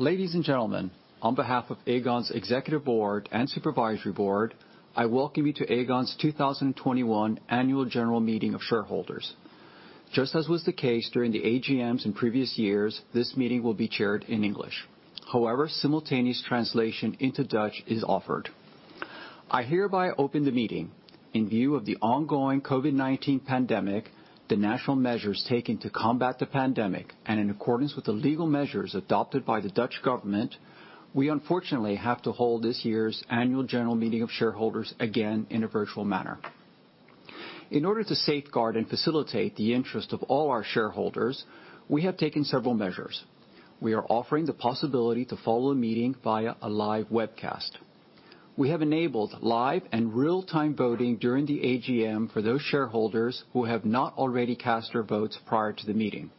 Ladies and gentlemen, on behalf of Aegon's executive board and supervisory board, I Welcome you to Aegon's 2021 Annual General Meeting of Shareholders. Just as was the case during the AGMs in previous years, this meeting will be chaired in English. However, simultaneous translation into Dutch is offered. I hereby open the meeting. In view of the ongoing COVID-19 pandemic, the national measures taken to combat the pandemic, and in accordance with the legal measures adopted by the Dutch government, we unfortunately have to hold this year's annual general meeting of shareholders again in a virtual manner. In order to safeguard and facilitate the interest of all our shareholders, we have taken several measures. We are offering the possibility to follow the meeting via a live webcast. We have enabled live and real-time voting during the AGM for those shareholders who have not already cast their votes prior to the meeting.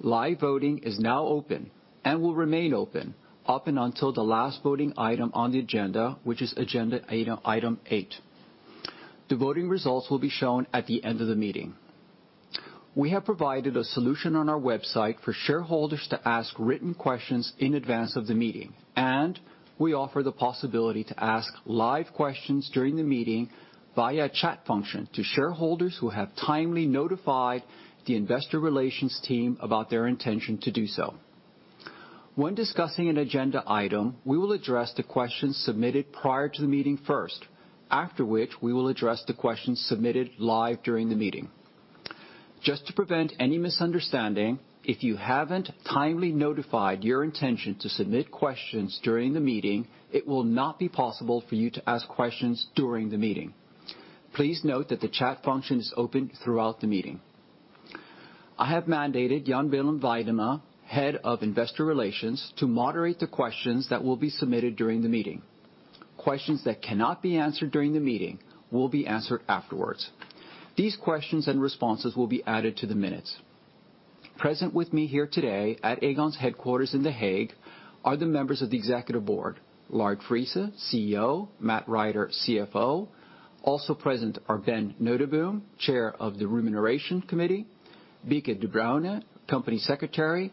Live voting is now open and will remain open up until the last voting item on the agenda, which is agenda item eight. The voting results will be shown at the end of the meeting. We have provided a solution on our website for shareholders to ask written questions in advance of the meeting, and we offer the possibility to ask live questions during the meeting via a chat function to shareholders who have timely notified the investor relations team about their intention to do so. When discussing an agenda item, we will address the questions submitted prior to the meeting first, after which we will address the questions submitted live during the meeting. Just to prevent any misunderstanding, if you haven't timely notified your intention to submit questions during the meeting, it will not be possible for you to ask questions during the meeting. Please note that the chat function is open throughout the meeting. I have mandated Jan Willem Weidema, Head of Investor Relations, to moderate the questions that will be submitted during the meeting. Questions that cannot be answered during the meeting will be answered afterwards. These questions and responses will be added to the minutes. Present with me here today at Aegon's headquarters in The Hague are the members of the Executive Board, Lard Friese, CEO, Matt Rider, CFO. Also present are Ben Noteboom, Chair of the Remuneration Committee, Bieke Debruyne, Company Secretary,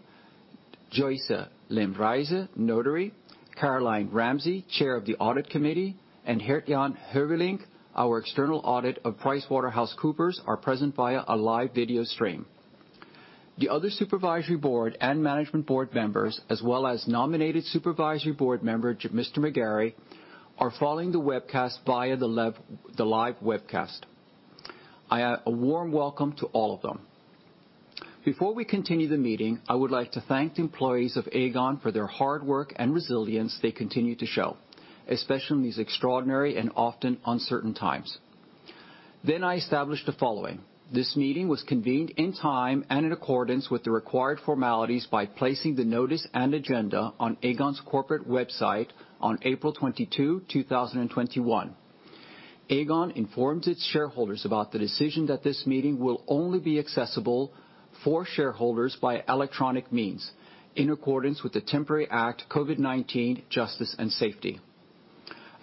Joyce Leemrijse, Notary, Caroline Ramsay, Chair of the Audit Committee, and Gert-Jan Heuvelink, our external audit of PricewaterhouseCoopers are present via a live video stream. The other Supervisory Board and Management Board members, as well as nominated Supervisory Board member, Mr. McGarry, are following the webcast via the live webcast. I add a warm welcome to all of them. Before we continue the meeting, I would like to thank the employees of Aegon for their hard work and resilience they continue to show, especially in these extraordinary and often uncertain times. I establish the following. This meeting was convened in time and in accordance with the required formalities by placing the notice and agenda on Aegon's corporate website on April 22, 2021. Aegon informs its shareholders about the decision that this meeting will only be accessible for shareholders by electronic means in accordance with the Temporary Act COVID-19 Justice and Safety.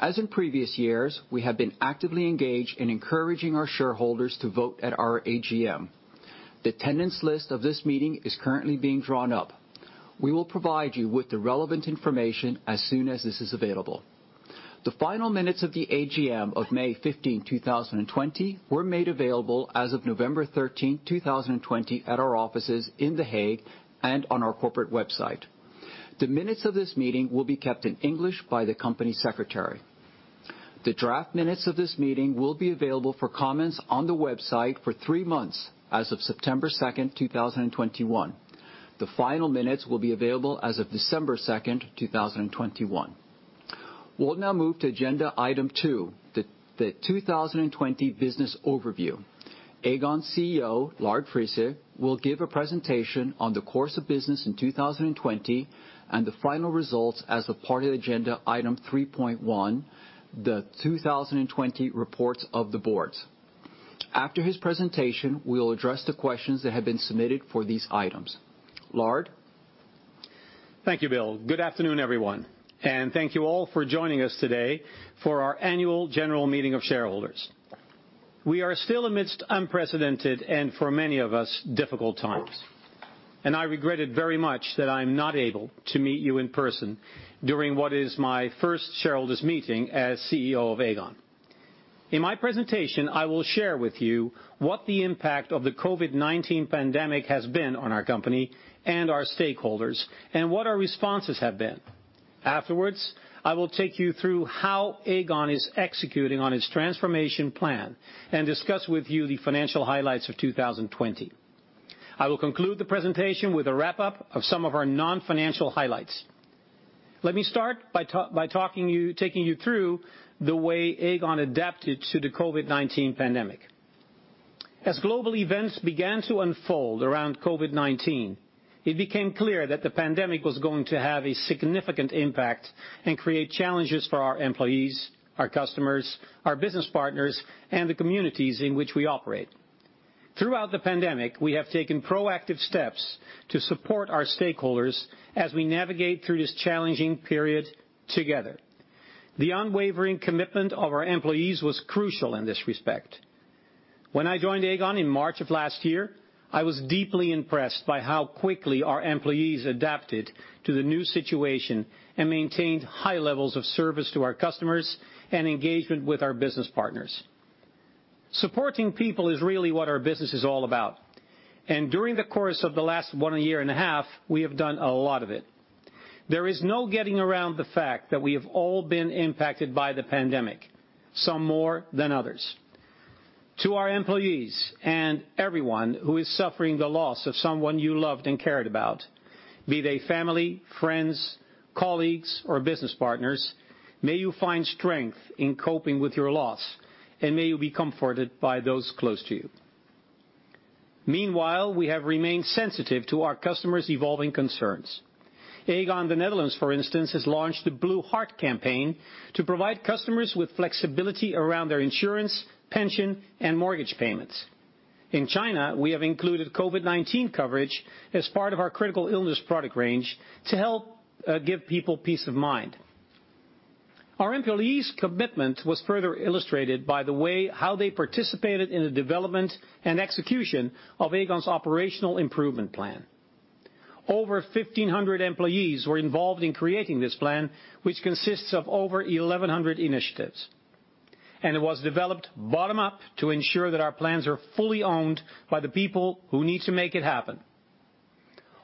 As in previous years, we have been actively engaged in encouraging our shareholders to vote at our AGM. The attendance list of this meeting is currently being drawn up. We will provide you with the relevant information as soon as this is available. The final minutes of the AGM of May 15, 2020, were made available as of November 13, 2020, at our offices in The Hague and on our corporate website. The minutes of this meeting will be kept in English by the company secretary. The draft minutes of this meeting will be available for comments on the website for three months as of September 2nd, 2021. The final minutes will be available as of December 2nd, 2021. We'll now move to agenda item two, the 2020 business overview. Aegon CEO, Lard Friese, will give a presentation on the course of business in 2020 and the final results as a part of agenda item 3.1, the 2020 reports of the boards. After his presentation, we will address the questions that have been submitted for these items. Lard? Thank you, Bill. Good afternoon, everyone, and thank you all for joining us today for our Annual General Meeting of Shareholders. We are still amidst unprecedented, and for many of us, difficult times. I regret it very much that I'm not able to meet you in person during what is my first shareholders meeting as CEO of Aegon. In my presentation, I will share with you what the impact of the COVID-19 pandemic has been on our company and our stakeholders and what our responses have been. Afterwards, I will take you through how Aegon is executing on its transformation plan and discuss with you the financial highlights of 2020. I will conclude the presentation with a wrap-up of some of our non-financial highlights. Let me start by taking you through the way Aegon adapted to the COVID-19 pandemic. As global events began to unfold around COVID-19, it became clear that the pandemic was going to have a significant impact and create challenges for our employees, our customers, our business partners, and the communities in which we operate. Throughout the pandemic, we have taken proactive steps to support our stakeholders as we navigate through this challenging period together. The unwavering commitment of our employees was crucial in this respect. When I joined Aegon in March of last year, I was deeply impressed by how quickly our employees adapted to the new situation and maintained high levels of service to our customers and engagement with our business partners. Supporting people is really what our business is all about, and during the course of the last one year and a half, we have done a lot of it. There is no getting around the fact that we have all been impacted by the pandemic, some more than others. To our employees and everyone who is suffering the loss of someone you loved and cared about, be they family, friends, colleagues, or business partners, may you find strength in coping with your loss and may you be comforted by those close to you. Meanwhile, we have remained sensitive to our customers' evolving concerns. Aegon Netherlands, for instance, has launched the Blue Heart campaign to provide customers with flexibility around their insurance, pension, and mortgage payments. In China, we have included COVID-19 coverage as part of our critical illness product range to help give people peace of mind. Our employees' commitment was further illustrated by the way how they participated in the development and execution of Aegon's operational improvement plan. Over 1,500 employees were involved in creating this plan, which consists of over 1,100 initiatives, and it was developed bottom-up to ensure that our plans are fully owned by the people who need to make it happen.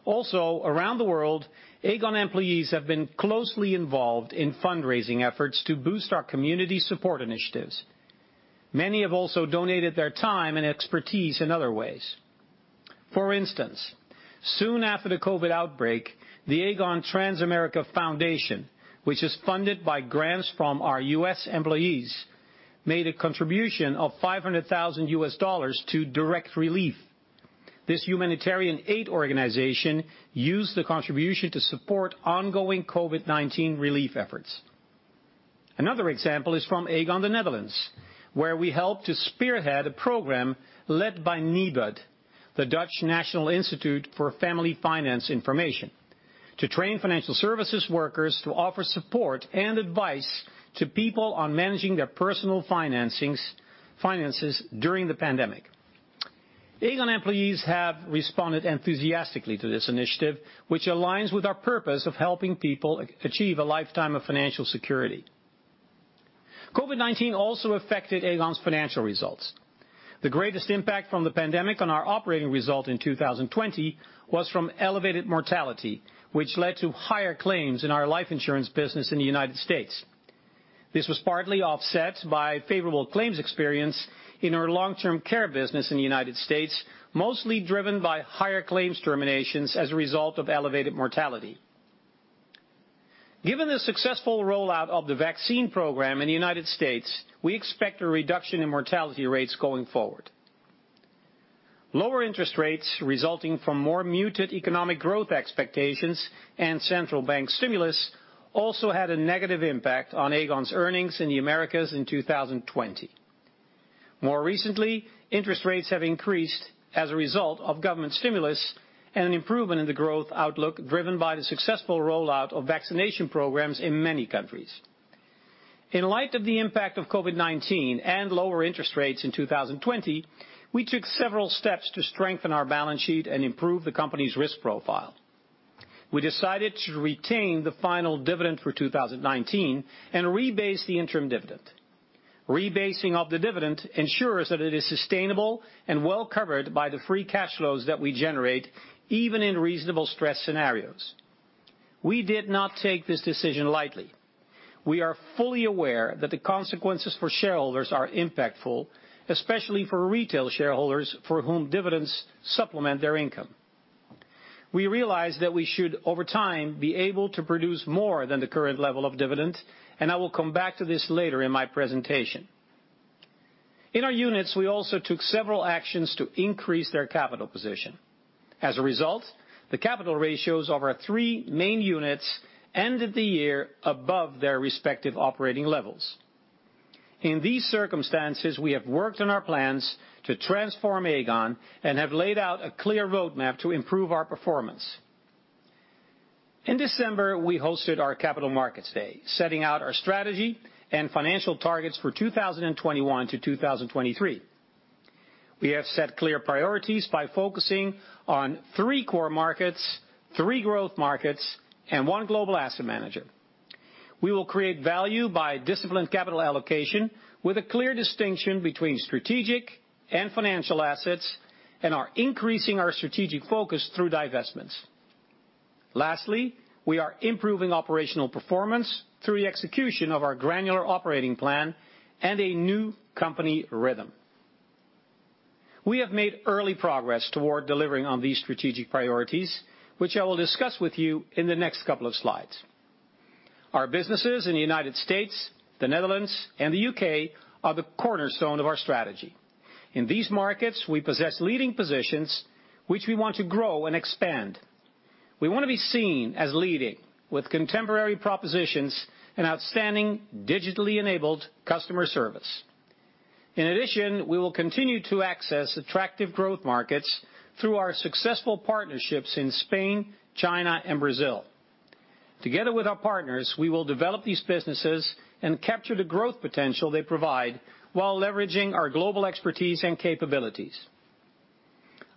Also, around the world, Aegon employees have been closely involved in fundraising efforts to boost our community support initiatives. Many have also donated their time and expertise in other ways. For instance, soon after the COVID-19 outbreak, the Aegon Transamerica Foundation, which is funded by grants from our U.S. employees, made a contribution of $500,000 to Direct Relief. This humanitarian aid organization used the contribution to support ongoing COVID-19 relief efforts. Another example is from Aegon Netherlands, where we helped to spearhead a program led by Nibud, the Dutch National Institute for Family Finance Information, to train financial services workers to offer support and advice to people on managing their personal finances during the pandemic. Aegon employees have responded enthusiastically to this initiative, which aligns with our purpose of helping people achieve a lifetime of financial security. COVID-19 also affected Aegon's financial results. The greatest impact from the pandemic on our operating result in 2020 was from elevated mortality, which led to higher claims in our life insurance business in the United States. This was partly offset by favorable claims experience in our long-term care business in the United States, mostly driven by higher claims terminations as a result of elevated mortality. Given the successful rollout of the vaccine program in the United States, we expect a reduction in mortality rates going forward. Lower interest rates resulting from more muted economic growth expectations and central bank stimulus also had a negative impact on Aegon's earnings in the Americas in 2020. More recently, interest rates have increased as a result of government stimulus and an improvement in the growth outlook driven by the successful rollout of vaccination programs in many countries. In light of the impact of COVID-19 and lower interest rates in 2020, we took several steps to strengthen our balance sheet and improve the company's risk profile. We decided to retain the final dividend for 2019 and rebase the interim dividend. Rebasing of the dividend ensures that it is sustainable and well-covered by the free cash flows that we generate, even in reasonable stress scenarios. We did not take this decision lightly. We are fully aware that the consequences for shareholders are impactful, especially for retail shareholders for whom dividends supplement their income. We realize that we should, over time, be able to produce more than the current level of dividend, and I will come back to this later in my presentation. In our units, we also took several actions to increase their capital position. As a result, the capital ratios of our three main units ended the year above their respective operating levels. In these circumstances, we have worked on our plans to transform Aegon and have laid out a clear roadmap to improve our performance. In December, we hosted our Capital Markets Day, setting out our strategy and financial targets for 2021 to 2023. We have set clear priorities by focusing on three core markets, three growth markets, and one global asset manager. We will create value by disciplined capital allocation with a clear distinction between strategic and financial assets and are increasing our strategic focus through divestments. Lastly, we are improving operational performance through the execution of our granular operating plan and a new company rhythm. We have made early progress toward delivering on these strategic priorities, which I will discuss with you in the next couple of slides. Our businesses in the United States, the Netherlands, and the U.K. are the cornerstone of our strategy. In these markets, we possess leading positions, which we want to grow and expand. We want to be seen as leading with contemporary propositions and outstanding digitally enabled customer service. In addition, we will continue to access attractive growth markets through our successful partnerships in Spain, China, and Brazil. Together with our partners, we will develop these businesses and capture the growth potential they provide while leveraging our global expertise and capabilities.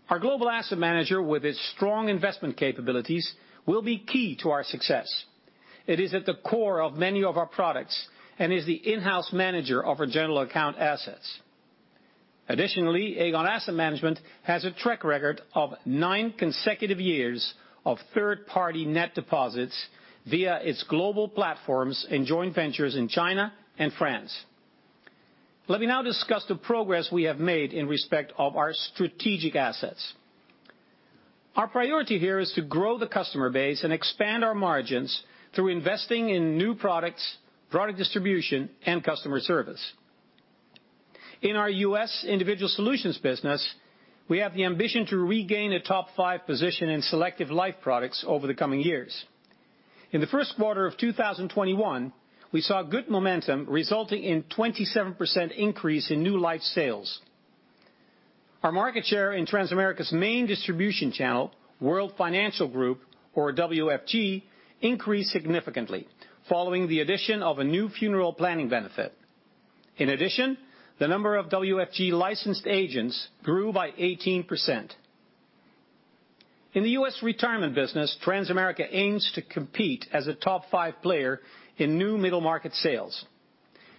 Our global asset manager, with its strong investment capabilities, will be key to our success. It is at the core of many of our products and is the in-house manager of our general account assets. Additionally, Aegon Asset Management has a track record of nine consecutive years of third-party net deposits via its global platforms and joint ventures in China and France. Let me now discuss the progress we have made in respect of our strategic assets. Our priority here is to grow the customer base and expand our margins through investing in new products, product distribution, and customer service. In our U.S. individual solutions business, we have the ambition to regain a top five position in selective life products over the coming years. In the first quarter of 2021, we saw good momentum resulting in a 27% increase in new life sales. Our market share in Transamerica's main distribution channel, World Financial Group, or WFG, increased significantly following the addition of a new funeral planning benefit. In addition, the number of WFG-licensed agents grew by 18%. In the U.S. retirement business, Transamerica aims to compete as a top five player in new middle market sales.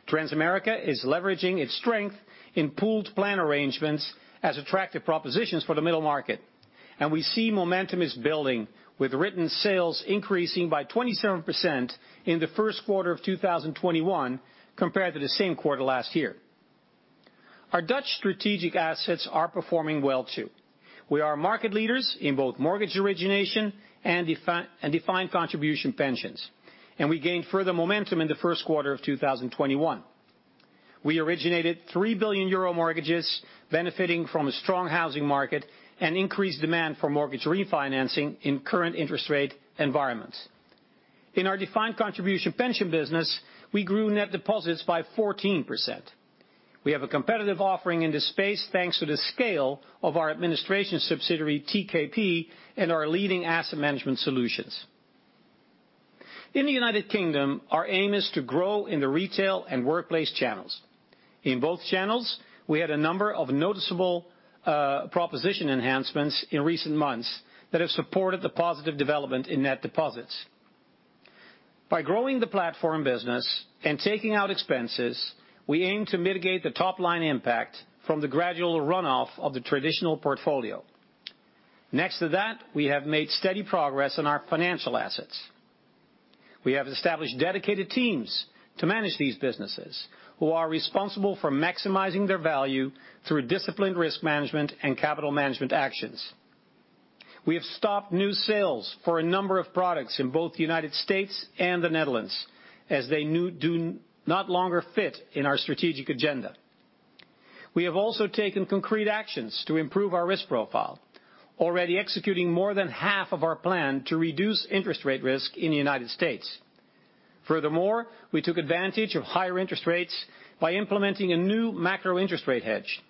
Transamerica is leveraging its strength in pooled plan arrangements as attractive propositions for the middle market, and we see momentum is building, with written sales increasing by 27% in the first quarter of 2021 compared to the same quarter last year. Our Dutch strategic assets are performing well, too. We are market leaders in both mortgage origination and defined contribution pensions, and we gained further momentum in the first quarter of 2021. We originated 3 billion euro mortgages benefiting from a strong housing market and increased demand for mortgage refinancing in current interest rate environments. In our defined contribution pension business, we grew net deposits by 14%. We have a competitive offering in this space, thanks to the scale of our administration subsidiary, TKP, and our leading asset management solutions. In the United Kingdom, our aim is to grow in the retail and workplace channels. In both channels, we had a number of noticeable proposition enhancements in recent months that have supported the positive development in net deposits. By growing the platform business and taking out expenses, we aim to mitigate the top-line impact from the gradual runoff of the traditional portfolio. Next to that, we have made steady progress on our financial assets. We have established dedicated teams to manage these businesses who are responsible for maximizing their value through disciplined risk management and capital management actions. We have stopped new sales for a number of products in both the United States and the Netherlands as they do not longer fit in our strategic agenda. We have also taken concrete actions to improve our risk profile, already executing more than half of our plan to reduce interest rate risk in the United States. Furthermore, we took advantage of higher interest rates by implementing a new macro interest rate hedge.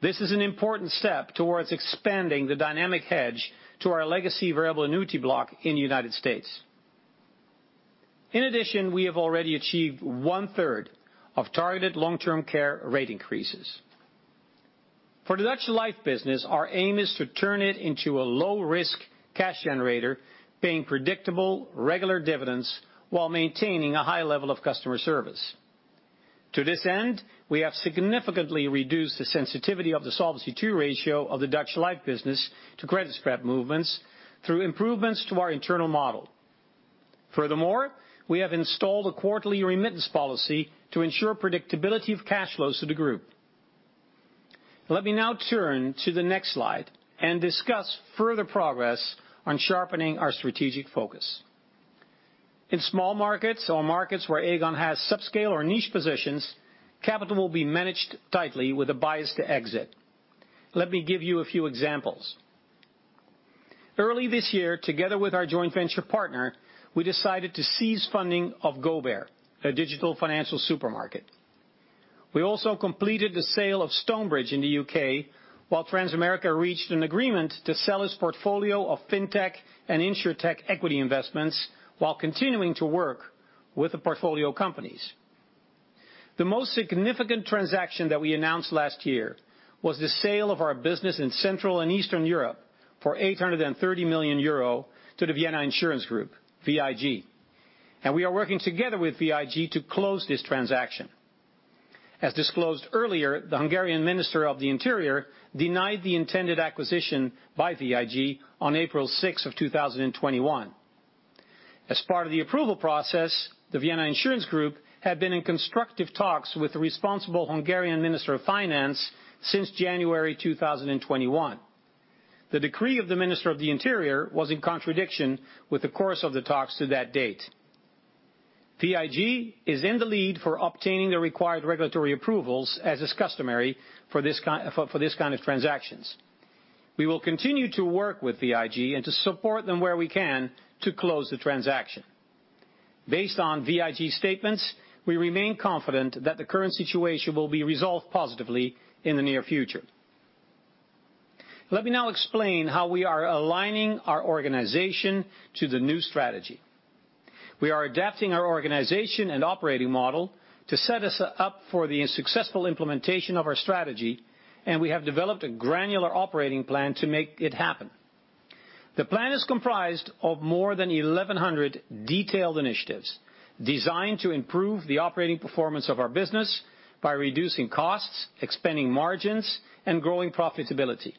This is an important step towards expanding the dynamic hedge to our legacy variable annuity block in the United States. In addition, we have already achieved one-third of targeted long-term care rate increases. For the Dutch life business, our aim is to turn it into a low-risk cash generator, paying predictable, regular dividends while maintaining a high level of customer service. To this end, we have significantly reduced the sensitivity of the Solvency II ratio of the Dutch life business to credit spread movements through improvements to our internal model. Furthermore, we have installed a quarterly remittance policy to ensure predictability of cash flows to the group. Let me now turn to the next slide and discuss further progress on sharpening our strategic focus. In small markets or markets where Aegon has subscale or niche positions, capital will be managed tightly with a bias to exit. Let me give you a few examples. Early this year, together with our joint venture partner, we decided to cease funding of GoBear, a digital financial supermarket. We also completed the sale of Stonebridge in the U.K. while Transamerica reached an agreement to sell its portfolio of Fintech and Insurtech equity investments while continuing to work with the portfolio companies. The most significant transaction that we announced last year was the sale of our business in Central and Eastern Europe for 830 million euro to the Vienna Insurance Group, VIG. We are working together with VIG to close this transaction. As disclosed earlier, the Hungarian Minister of the Interior denied the intended acquisition by VIG on April 6, 2021. As part of the approval process, the Vienna Insurance Group had been in constructive talks with the responsible Hungarian Minister of Finance since January 2021. The decree of the Minister of the Interior was in contradiction with the course of the talks to that date. VIG is in the lead for obtaining the required regulatory approvals, as is customary for these kinds of transactions. We will continue to work with VIG and to support them where we can to close the transaction. Based on VIG statements, we remain confident that the current situation will be resolved positively in the near future. Let me now explain how we are aligning our organization to the new strategy. We are adapting our organization and operating model to set us up for the successful implementation of our strategy, and we have developed a granular operating plan to make it happen. The plan is comprised of more than 1,100 detailed initiatives designed to improve the operating performance of our business by reducing costs, expanding margins, and growing profitability.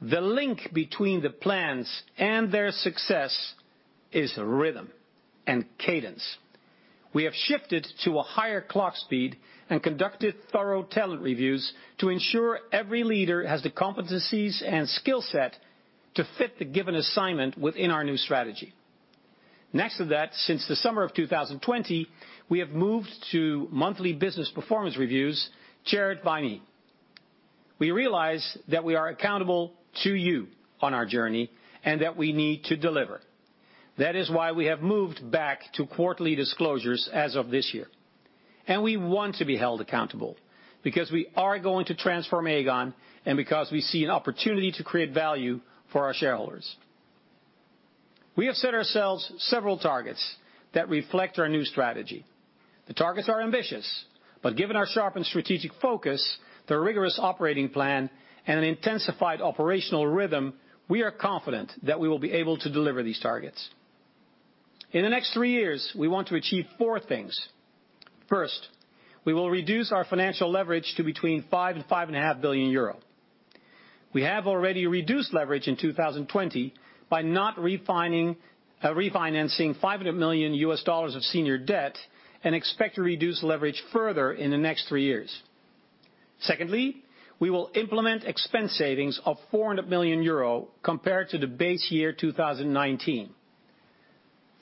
The link between the plans and their success is rhythm and cadence. We have shifted to a higher clock speed and conducted thorough talent reviews to ensure every leader has the competencies and skillset to fit the given assignment within our new strategy. Since the summer of 2020, we have moved to monthly business performance reviews chaired by me. We realize that we are accountable to you on our journey, and that we need to deliver. That is why we have moved back to quarterly disclosures as of this year. We want to be held accountable because we are going to transform Aegon and because we see an opportunity to create value for our shareholders. We have set ourselves several targets that reflect our new strategy. The targets are ambitious, but given our sharpened strategic focus, the rigorous operating plan, and the intensified operational rhythm, we are confident that we will be able to deliver these targets. In the next three years, we want to achieve four things. First, we will reduce our financial leverage to between 5 and 5.5 billion euro. We have already reduced leverage in 2020 by not refinancing $500 million of senior debt and expect to reduce leverage further in the next three years. Secondly, we will implement expense savings of 400 million euro compared to the base year 2019.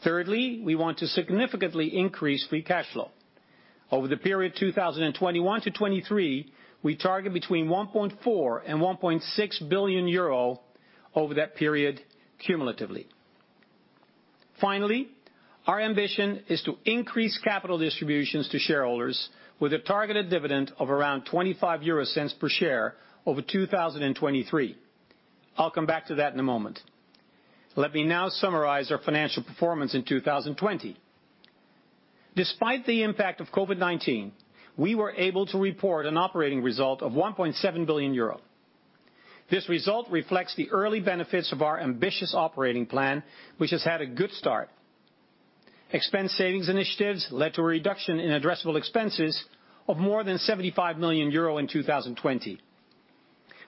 Thirdly, we want to significantly increase free cash flow. Over the period 2021 to 2023, we target between 1.4 billion and 1.6 billion euro over that period cumulatively. Finally, our ambition is to increase capital distributions to shareholders with a targeted dividend of around 0.25 per share over 2023. I'll come back to that in a moment. Let me now summarize our financial performance in 2020. Despite the impact of COVID-19, we were able to report an operating result of 1.7 billion euro. This result reflects the early benefits of our ambitious operating plan, which has had a good start. Expense savings initiatives led to a reduction in addressable expenses of more than 75 million euro in 2020.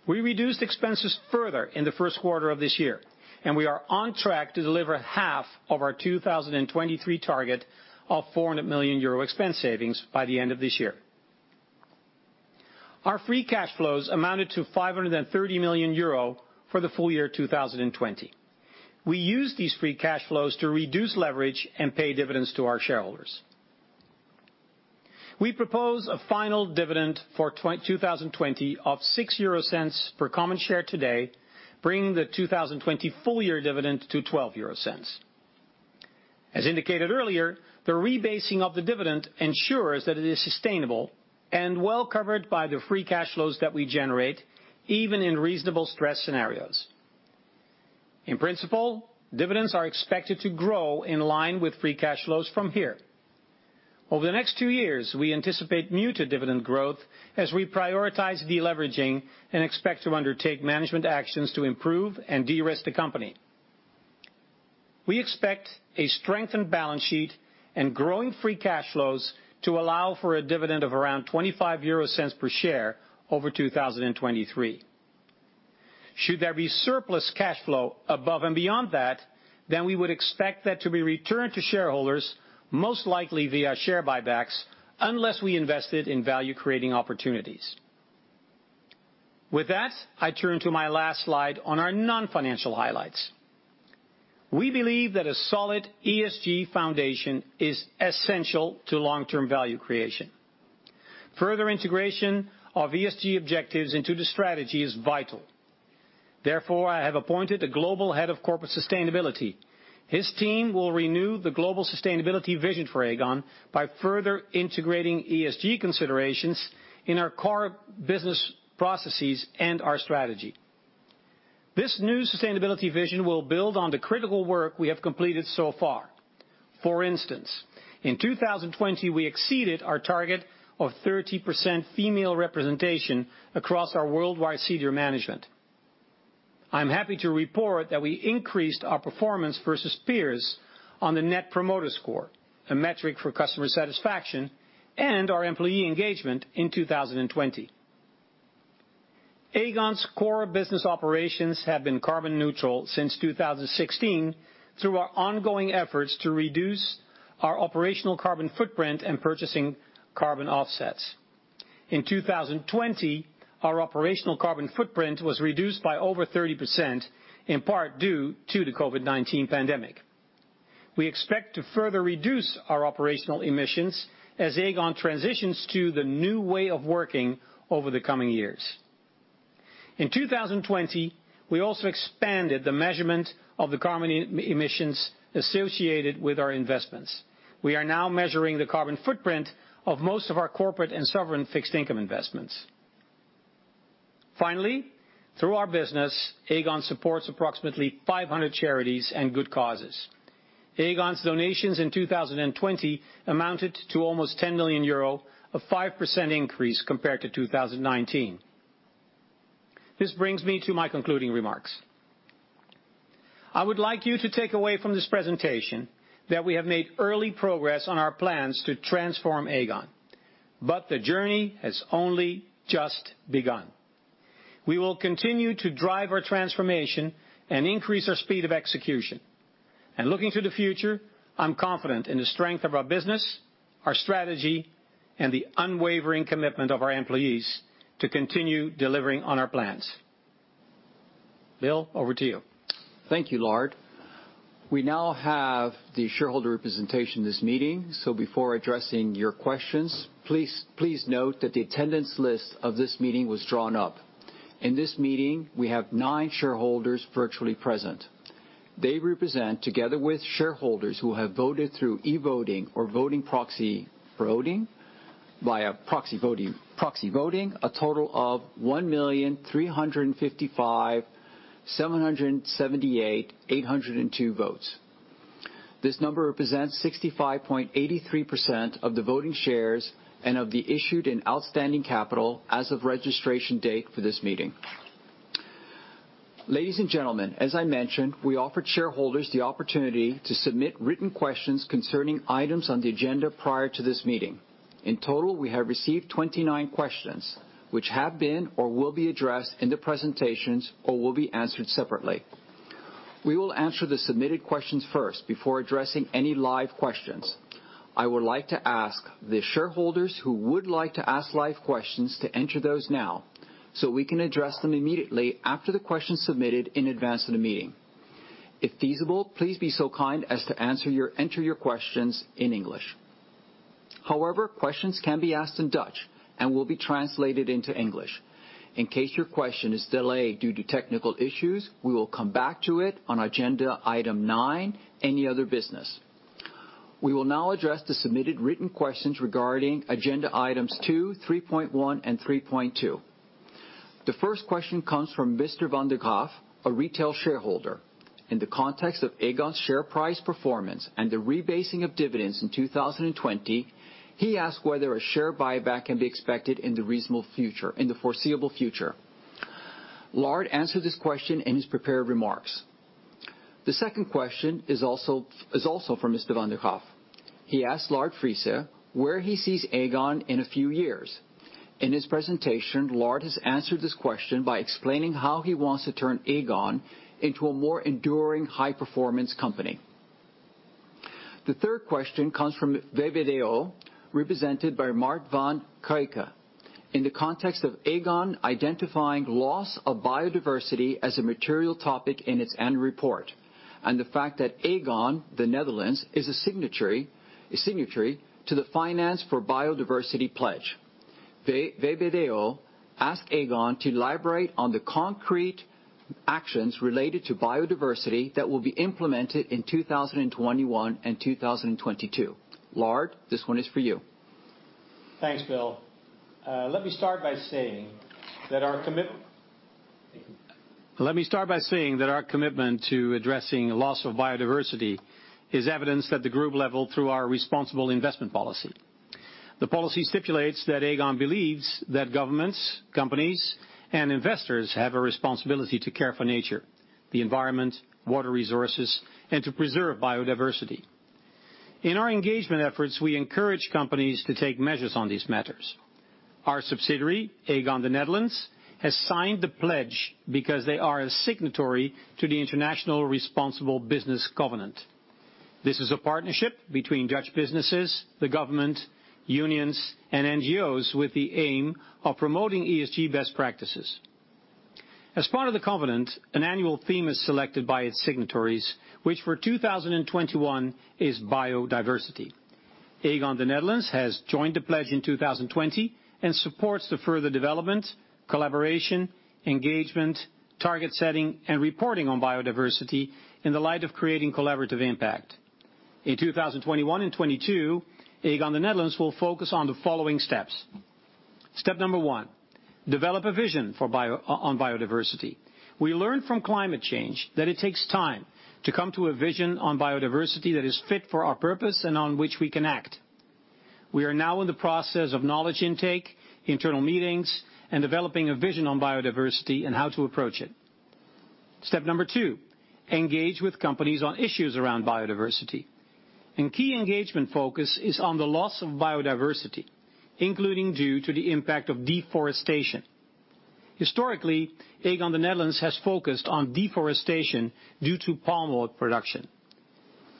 We reduced expenses further in the first quarter of this year, and we are on track to deliver half of our 2023 target of 400 million euro expense savings by the end of this year. Our free cash flows amounted to 530 million euro for the full year 2020. We used these free cash flows to reduce leverage and pay dividends to our shareholders. We propose a final dividend for 2020 of 0.06 per common share today, bringing the 2020 full-year dividend to 0.12. As indicated earlier, the rebasing of the dividend ensures that it is sustainable and well-covered by the free cash flows that we generate, even in reasonable stress scenarios. In principle, dividends are expected to grow in line with free cash flows from here. Over the next two years, we anticipate muted dividend growth as we prioritize de-leveraging and expect to undertake management actions to improve and de-risk the company. We expect a strengthened balance sheet and growing free cash flows to allow for a dividend of around 0.25 per share over 2023. Should there be surplus cash flow above and beyond that, then we would expect that to be returned to shareholders, most likely via share buybacks, unless we invest it in value-creating opportunities. With that, I turn to my last slide on our non-financial highlights. We believe that a solid ESG foundation is essential to long-term value creation. Further integration of ESG objectives into the strategy is vital. Therefore, I have appointed a global head of corporate sustainability. His team will renew the global sustainability vision for Aegon by further integrating ESG considerations in our core business processes and our strategy. This new sustainability vision will build on the critical work we have completed so far. For instance, in 2020, we exceeded our target of 30% female representation across our worldwide senior management. I'm happy to report that we increased our performance versus peers on the Net Promoter Score, a metric for customer satisfaction, and our employee engagement in 2020. Aegon's core business operations have been carbon neutral since 2016 through our ongoing efforts to reduce our operational carbon footprint and purchasing carbon offsets. In 2020, our operational carbon footprint was reduced by over 30%, in part due to the COVID-19 pandemic. We expect to further reduce our operational emissions as Aegon transitions to the new way of working over the coming years. In 2020, we also expanded the measurement of the carbon emissions associated with our investments. We are now measuring the carbon footprint of most of our corporate and sovereign fixed income investments. Finally, through our business, Aegon supports approximately 500 charities and good causes. Aegon's donations in 2020 amounted to almost 10 million euro, a 5% increase compared to 2019. This brings me to my concluding remarks. I would like you to take away from this presentation that we have made early progress on our plans to transform Aegon, but the journey has only just begun. We will continue to drive our transformation and increase our speed of execution. Looking to the future, I'm confident in the strength of our business, our strategy, and the unwavering commitment of our employees to continue delivering on our plans. Bill, over to you. Thank you, Lard. We now have the shareholder representation in this meeting, so before addressing your questions, please note that the attendance list of this meeting was drawn up. In this meeting, we have nine shareholders virtually present. They represent, together with shareholders who have voted through e-voting or proxy voting, a total of 1,355,778,802 votes. This number represents 65.83% of the voting shares and of the issued and outstanding capital as of registration date for this meeting. Ladies and gentlemen, as I mentioned, we offered shareholders the opportunity to submit written questions concerning items on the agenda prior to this meeting. In total, we have received 29 questions, which have been or will be addressed in the presentations or will be answered separately. We will answer the submitted questions first before addressing any live questions. I would like to ask the shareholders who would like to ask live questions to enter those now, so we can address them immediately after the questions submitted in advance of the meeting. If feasible, please be so kind as to enter your questions in English. However, questions can be asked in Dutch and will be translated into English. In case your question is delayed due to technical issues, we will come back to it on agenda item nine, any other business. We will now address the submitted written questions regarding agenda items two, 3.1, and 3.2. The 1st question comes from Mr. Van der Graaf, a retail shareholder. In the context of Aegon's share price performance and the rebasing of dividends in 2020, he asked whether a share buyback can be expected in the foreseeable future. Lard answered this question in his prepared remarks. The 2nd question is also from Mr. van der Graaf. He asked Lard Friese where he sees Aegon in a few years. In his presentation, Lard has answered this question by explaining how he wants to turn Aegon into a more enduring high-performance company. The 3rd question comes from VBDO, represented by Mart van Kuijk. In the context of Aegon identifying loss of biodiversity as a material topic in its end report, the fact that Aegon, the Netherlands, is a signatory to the Finance for Biodiversity Pledge. VBDO asked Aegon to elaborate on the concrete actions related to biodiversity that will be implemented in 2021 and 2022. Lard, this one is for you. Thanks, Bill. Let me start by saying that our commitment to addressing loss of biodiversity is evidenced at the group level through our responsible investment policy. The policy stipulates that Aegon believes that governments, companies, and investors have a responsibility to care for nature, the environment, water resources, and to preserve biodiversity. In our engagement efforts, we encourage companies to take measures on these matters. Our subsidiary, Aegon the Netherlands, has signed the pledge because they are a signatory to the International Responsible Business Covenant. This is a partnership between Dutch businesses, the government, unions, and NGOs with the aim of promoting ESG best practices. As part of the covenant, an annual theme is selected by its signatories, which for 2021 is biodiversity. Aegon the Netherlands has joined the pledge in 2020 and supports the further development, collaboration, engagement, target setting, and reporting on biodiversity in the light of creating collaborative impact. In 2021 and 2022, Aegon the Netherlands will focus on the following steps. Step number one, develop a vision on biodiversity. We learn from climate change that it takes time to come to a vision on biodiversity that is fit for our purpose and on which we can act. We are now in the process of knowledge intake, internal meetings, and developing a vision on biodiversity and how to approach it. Step number two, engage with companies on issues around biodiversity. Key engagement focus is on the loss of biodiversity, including due to the impact of deforestation. Historically, Aegon the Netherlands has focused on deforestation due to palm oil production.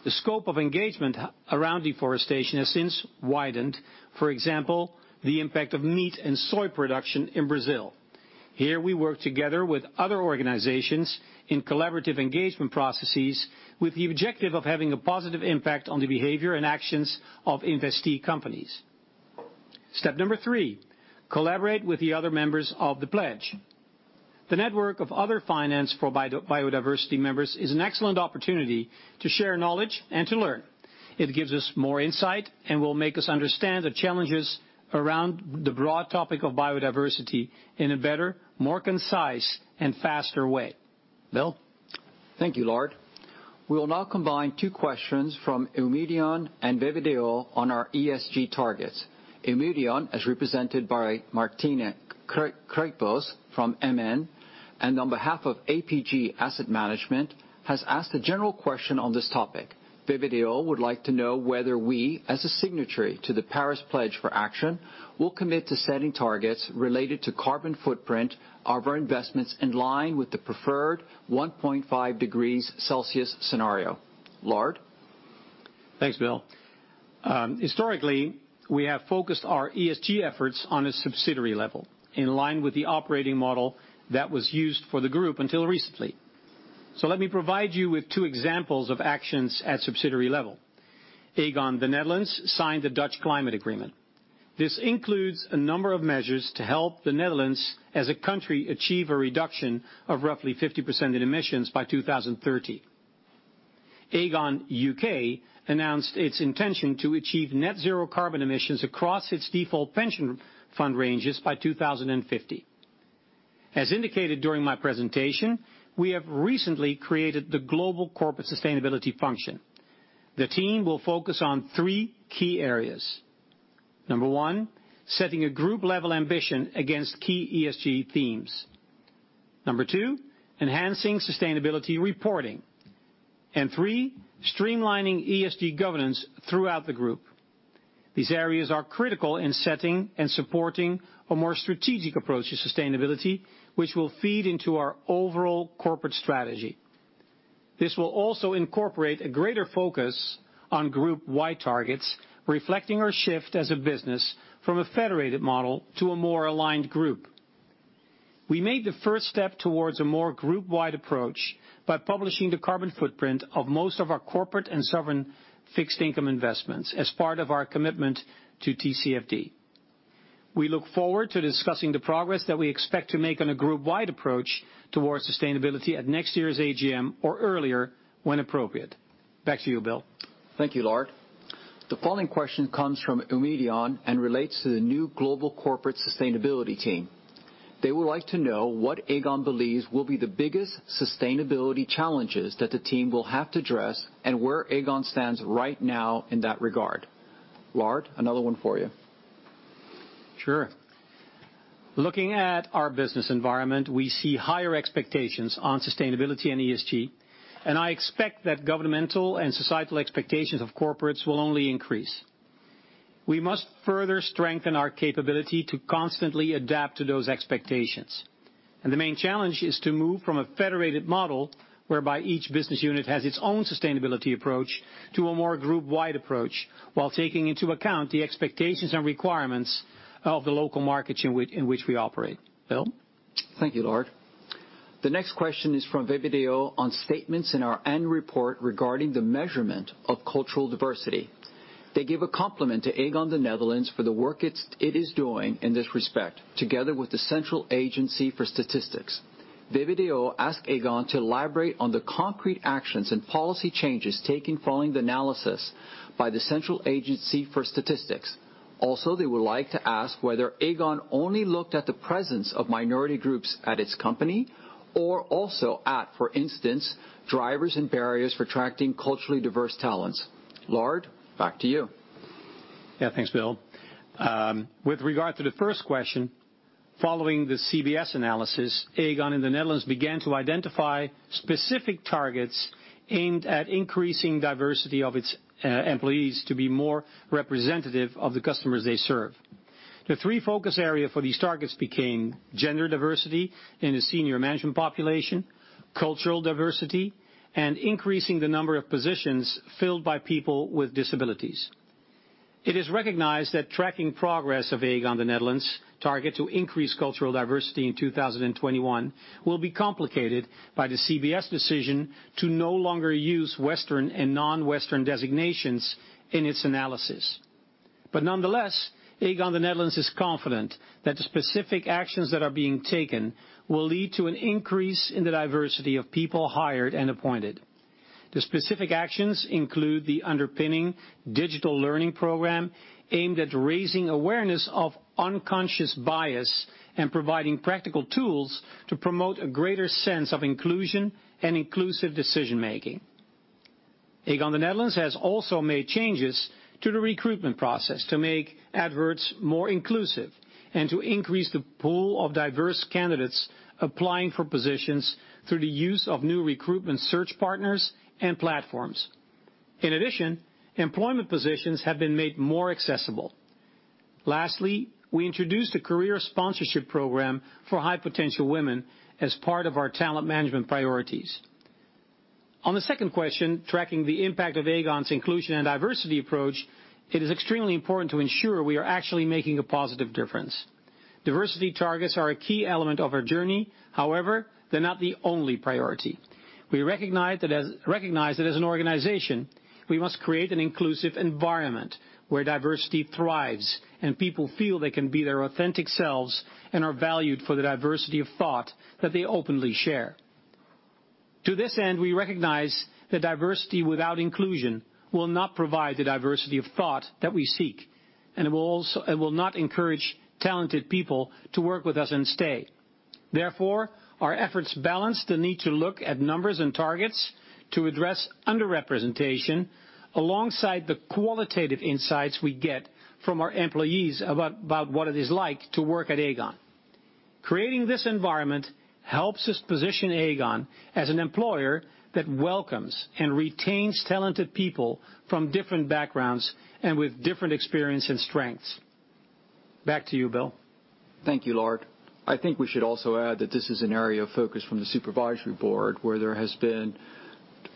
The scope of engagement around deforestation has since widened, for example, the impact of meat and soy production in Brazil. Here we work together with other organizations in collaborative engagement processes with the objective of having a positive impact on the behavior and actions of investee companies. Step number three, collaborate with the other members of the pledge. The network of other Finance for Biodiversity members is an excellent opportunity to share knowledge and to learn. It gives us more insight and will make us understand the challenges around the broad topic of biodiversity in a better, more concise, and faster way. Bill? Thank you, Lard. We will now combine two questions from Eumedion and VBDO on our ESG targets. Eumedion, as represented by Martine Kruitbos from MN, and on behalf of APG Asset Management, has asked a general question on this topic. VBDO would like to know whether we, as a signatory to the Paris Pledge for Action, will commit to setting targets related to carbon footprint of our investments in line with the preferred 1.5 degrees Celsius scenario. Lard? Thanks, Bill. Historically, we have focused our ESG efforts on a subsidiary level, in line with the operating model that was used for the group until recently. Let me provide you with two examples of actions at subsidiary level. Aegon, the Netherlands, signed the Dutch Climate Agreement. This includes a number of measures to help the Netherlands as a country achieve a reduction of roughly 50% in emissions by 2030. Aegon UK announced its intention to achieve net zero carbon emissions across its default pension fund ranges by 2050. As indicated during my presentation, we have recently created the global corporate sustainability function. The team will focus on three key areas. Number one, setting a group-level ambition against key ESG themes. Number two, enhancing sustainability reporting. Three, streamlining ESG governance throughout the group. These areas are critical in setting and supporting a more strategic approach to sustainability, which will feed into our overall corporate strategy. This will also incorporate a greater focus on group-wide targets, reflecting our shift as a business from a federated model to a more aligned group. We made the first step towards a more group-wide approach by publishing the carbon footprint of most of our corporate and sovereign fixed income investments as part of our commitment to TCFD. We look forward to discussing the progress that we expect to make on a group-wide approach towards sustainability at next year's AGM or earlier, when appropriate. Back to you, Bill. Thank you, Lard. The following question comes from Eumedion and relates to the new global corporate sustainability team. They would like to know what Aegon believes will be the biggest sustainability challenges that the team will have to address, and where Aegon stands right now in that regard? Lard, another one for you. Sure. Looking at our business environment, we see higher expectations on sustainability and ESG. I expect that governmental and societal expectations of corporates will only increase. We must further strengthen our capability to constantly adapt to those expectations. The main challenge is to move from a federated model, whereby each business unit has its own sustainability approach, to a more group-wide approach, while taking into account the expectations and requirements of the local markets in which we operate. Bill? Thank you, Lard. The next question is from VBDO on statements in our end report regarding the measurement of cultural diversity. They give a compliment to Aegon, the Netherlands, for the work it is doing in this respect, together with Statistics Netherlands. VBDO ask Aegon to elaborate on the concrete actions and policy changes taken following the analysis by Statistics Netherlands. Also, they would like to ask whether Aegon only looked at the presence of minority groups at its company, or also at, for instance, drivers and barriers for attracting culturally diverse talents. Lard, back to you. Yeah, thanks, Bill. With regard to the first question, following the CBS analysis, Aegon in the Netherlands began to identify specific targets aimed at increasing diversity of its employees to be more representative of the customers they serve. The three focus area for these targets became gender diversity in the senior management population, cultural diversity, and increasing the number of positions filled by people with disabilities. It is recognized that tracking progress of Aegon, the Netherlands target to increase cultural diversity in 2021 will be complicated by the CBS decision to no longer use Western and non-Western designations in its analysis. Nonetheless, Aegon the Netherlands is confident that the specific actions that are being taken will lead to an increase in the diversity of people hired and appointed. The specific actions include the underpinning digital learning program aimed at raising awareness of unconscious bias and providing practical tools to promote a greater sense of inclusion and inclusive decision-making. Aegon Nederland has also made changes to the recruitment process to make adverts more inclusive and to increase the pool of diverse candidates applying for positions through the use of new recruitment search partners and platforms. In addition, employment positions have been made more accessible. Lastly, we introduced a career sponsorship program for high-potential women as part of our talent management priorities. On the 2nd question, tracking the impact of Aegon's inclusion and diversity approach, it is extremely important to ensure we are actually making a positive difference. Diversity targets are a key element of our journey. However, they're not the only priority. We recognize that as an organization, we must create an inclusive environment where diversity thrives and people feel they can be their authentic selves and are valued for the diversity of thought that they openly share. To this end, we recognize that diversity without inclusion will not provide the diversity of thought that we seek, and it will not encourage talented people to work with us and stay. Therefore, our efforts balance the need to look at numbers and targets to address under-representation, alongside the qualitative insights we get from our employees about what it is like to work at Aegon. Creating this environment helps us position Aegon as an employer that welcomes and retains talented people from different backgrounds and with different experience and strengths. Back to you, Bill. Thank you, Lard. I think we should also add that this is an area of focus from the supervisory board, where there has been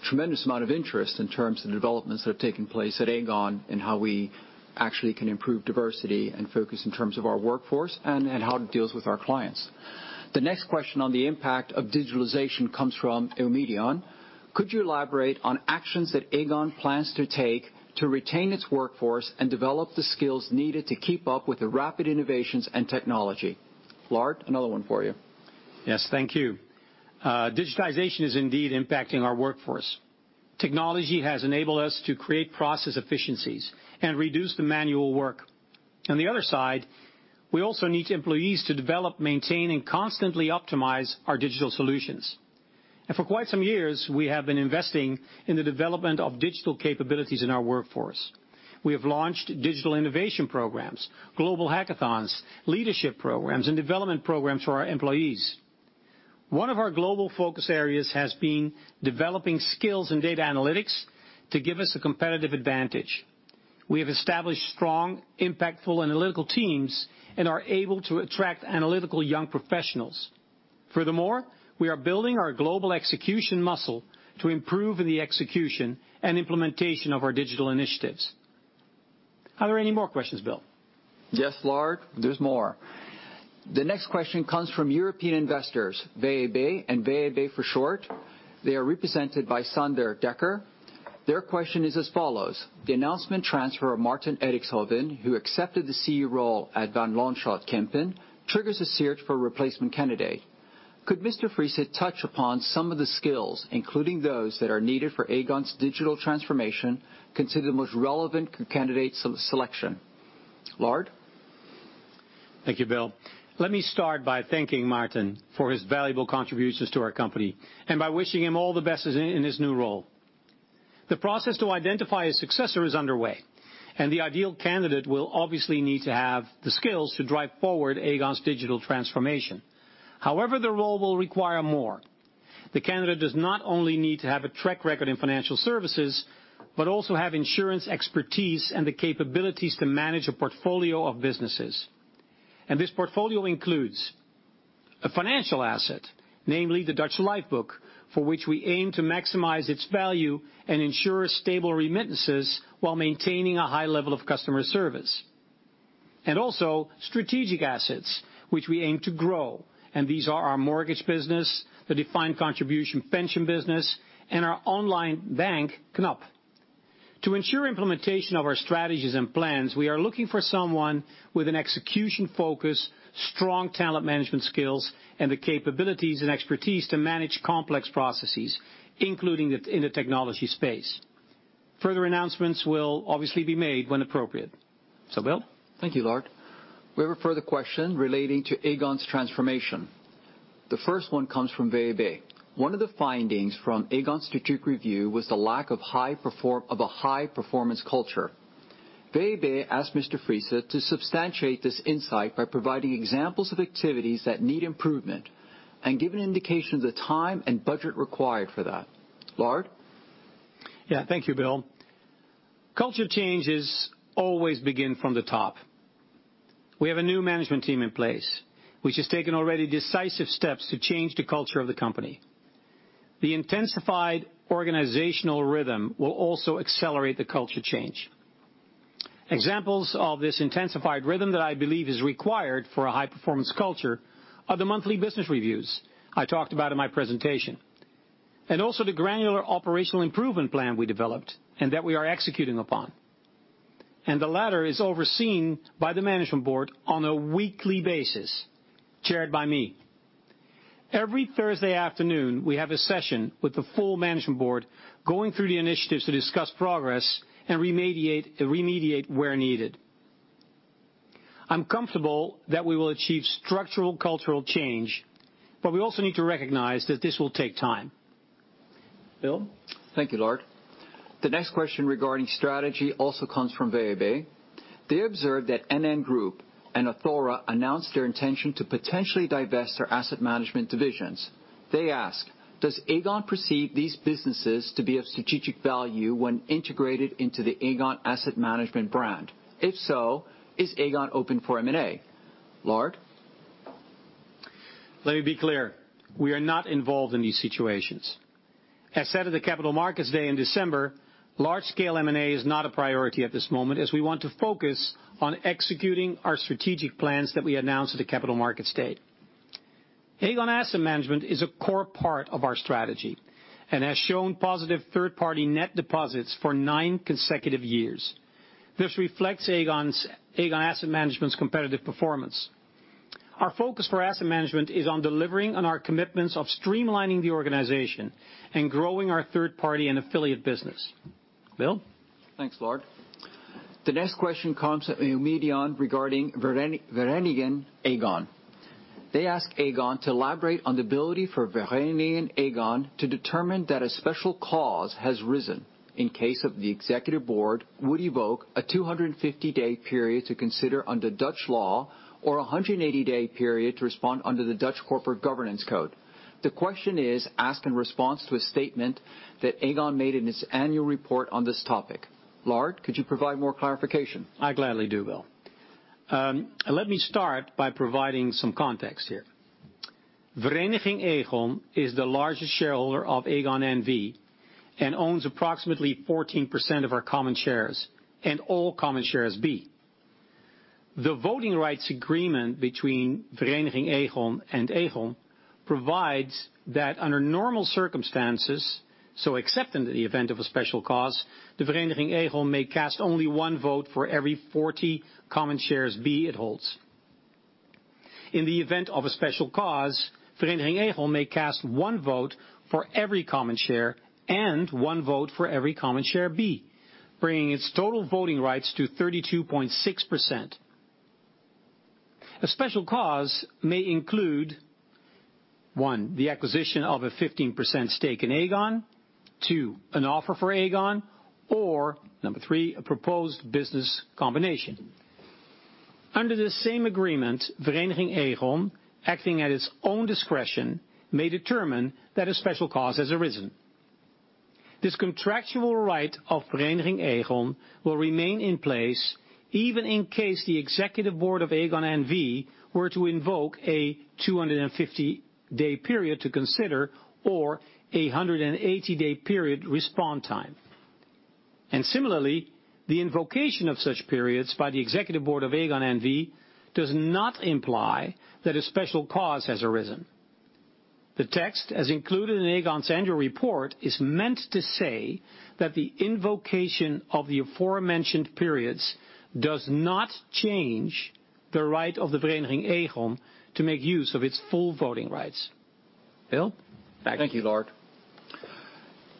tremendous amount of interest in terms of the developments that have taken place at Aegon and how we actually can improve diversity and focus in terms of our workforce and in how it deals with our clients. The next question on the impact of digitalization comes from Eumedion. Could you elaborate on actions that Aegon plans to take to retain its workforce and develop the skills needed to keep up with the rapid innovations and technology? Lard, another one for you. Yes, thank you. Digitization is indeed impacting our workforce. Technology has enabled us to create process efficiencies and reduce the manual work. On the other side, we also need employees to develop, maintain, and constantly optimize our digital solutions. For quite some years, we have been investing in the development of digital capabilities in our workforce. We have launched digital innovation programs, global hackathons, leadership programs, and development programs for our employees. One of our global focus areas has been developing skills in data analytics to give us a competitive advantage. We have established strong, impactful analytical teams and are able to attract analytical young professionals. Furthermore, we are building our global execution muscle to improve in the execution and implementation of our digital initiatives. Are there any more questions, William? Yes, Lard, there's more. The next question comes from European investors, VEB, and VEB for short. They are represented by Sander Dekker. Their question is as follows. The announcement transfer of Maarten Edixhoven, who accepted the CEO role at Van Lanschot Kempen, triggers a search for a replacement candidate. Could Mr. Friese touch upon some of the skills, including those that are needed for Aegon's digital transformation, considered the most relevant candidate selection? Lard. Thank you, Bill. Let me start by thanking Maarten for his valuable contributions to our company and by wishing him all the best in his new role. The process to identify a successor is underway. The ideal candidate will obviously need to have the skills to drive forward Aegon's digital transformation. However, the role will require more. The candidate does not only need to have a track record in financial services but also have insurance expertise and the capabilities to manage a portfolio of businesses. This portfolio includes a financial asset, namely the Dutch Life book, for which we aim to maximize its value and ensure stable remittances while maintaining a high level of customer service. Also strategic assets, which we aim to grow, and these are our mortgage business, the defined contribution pension business, and our online bank, Knab. To ensure implementation of our strategies and plans, we are looking for someone with an execution focus, strong talent management skills, and the capabilities and expertise to manage complex processes, including in the technology space. Further announcements will obviously be made when appropriate. Bill. Thank you, Lard. We have a further question relating to Aegon's transformation. The 1st one comes from VEB. One of the findings from Aegon Strategic Review was the lack of a high-performance culture. VEB asked Mr. Friese to substantiate this insight by providing examples of activities that need improvement, and give an indication of the time and budget required for that. Lard. Yeah. Thank you, Bill. Culture changes always begin from the top. We have a new management team in place, which has taken already decisive steps to change the culture of the company. The intensified organizational rhythm will also accelerate the culture change. Examples of this intensified rhythm that I believe is required for a high-performance culture are the monthly business reviews I talked about in my presentation, and also the granular operational improvement plan we developed and that we are executing upon. The latter is overseen by the management board on a weekly basis, chaired by me. Every Thursday afternoon, we have a session with the full management board going through the initiatives to discuss progress and remediate where needed. I'm comfortable that we will achieve structural cultural change. We also need to recognize that this will take time. Bill. Thank you, Lard. The next question regarding strategy also comes from VEB. They observed that NN Group and Athora announced their intention to potentially divest their asset management divisions. They ask, Does Aegon perceive these businesses to be of strategic value when integrated into the Aegon Asset Management brand? If so, is Aegon open for M&A? Lard. Let me be clear. We are not involved in these situations. As said at the Capital Markets Day in December, large-scale M&A is not a priority at this moment, as we want to focus on executing our strategic plans that we announced at the Capital Markets Day. Aegon Asset Management is a core part of our strategy and has shown positive third-party net deposits for nine consecutive years. This reflects Aegon Asset Management's competitive performance. Our focus for asset management is on delivering on our commitments of streamlining the organization and growing our third party and affiliate business. Bill? Thanks, Lars. The next question comes from regarding Vereniging Aegon. They ask Aegon to elaborate on the ability for Vereniging Aegon to determine that a special cause has risen in case of the executive board would evoke a 250-day period to consider under Dutch law or 180-day period to respond under the Dutch Corporate Governance Code. The question is asked in response to a statement that Aegon made in its annual report on this topic. Lars, could you provide more clarification? I gladly do, Bill. Let me start by providing some context here. Vereniging Aegon is the largest shareholder of Aegon N.V. and owns approximately 14% of our common shares and all common shares B. The voting rights agreement between Vereniging Aegon and Aegon provides that under normal circumstances, except in the event of a special cause, the Vereniging Aegon may cast only one vote for every 40 common shares B it holds. In the event of a special cause, Vereniging Aegon may cast one vote for every common share and one vote for every common share B, bringing its total voting rights to 32.6%. A special cause may include, one, the acquisition of a 15% stake in Aegon, two, an offer for Aegon, or number three, a proposed business combination. Under this same agreement, Vereniging Aegon, acting at its own discretion, may determine that a special cause has arisen. This contractual right of Vereniging Aegon will remain in place even in case the executive board of Aegon N.V. were to invoke a 250-day period to consider or 180-day period respond time. Similarly, the invocation of such periods by the executive board of Aegon N.V. does not imply that a special cause has arisen. The text, as included in Aegon's annual report, is meant to say that the invocation of the aforementioned periods does not change the right of the Vereniging Aegon to make use of its full voting rights. Bill? Thank you, Lars.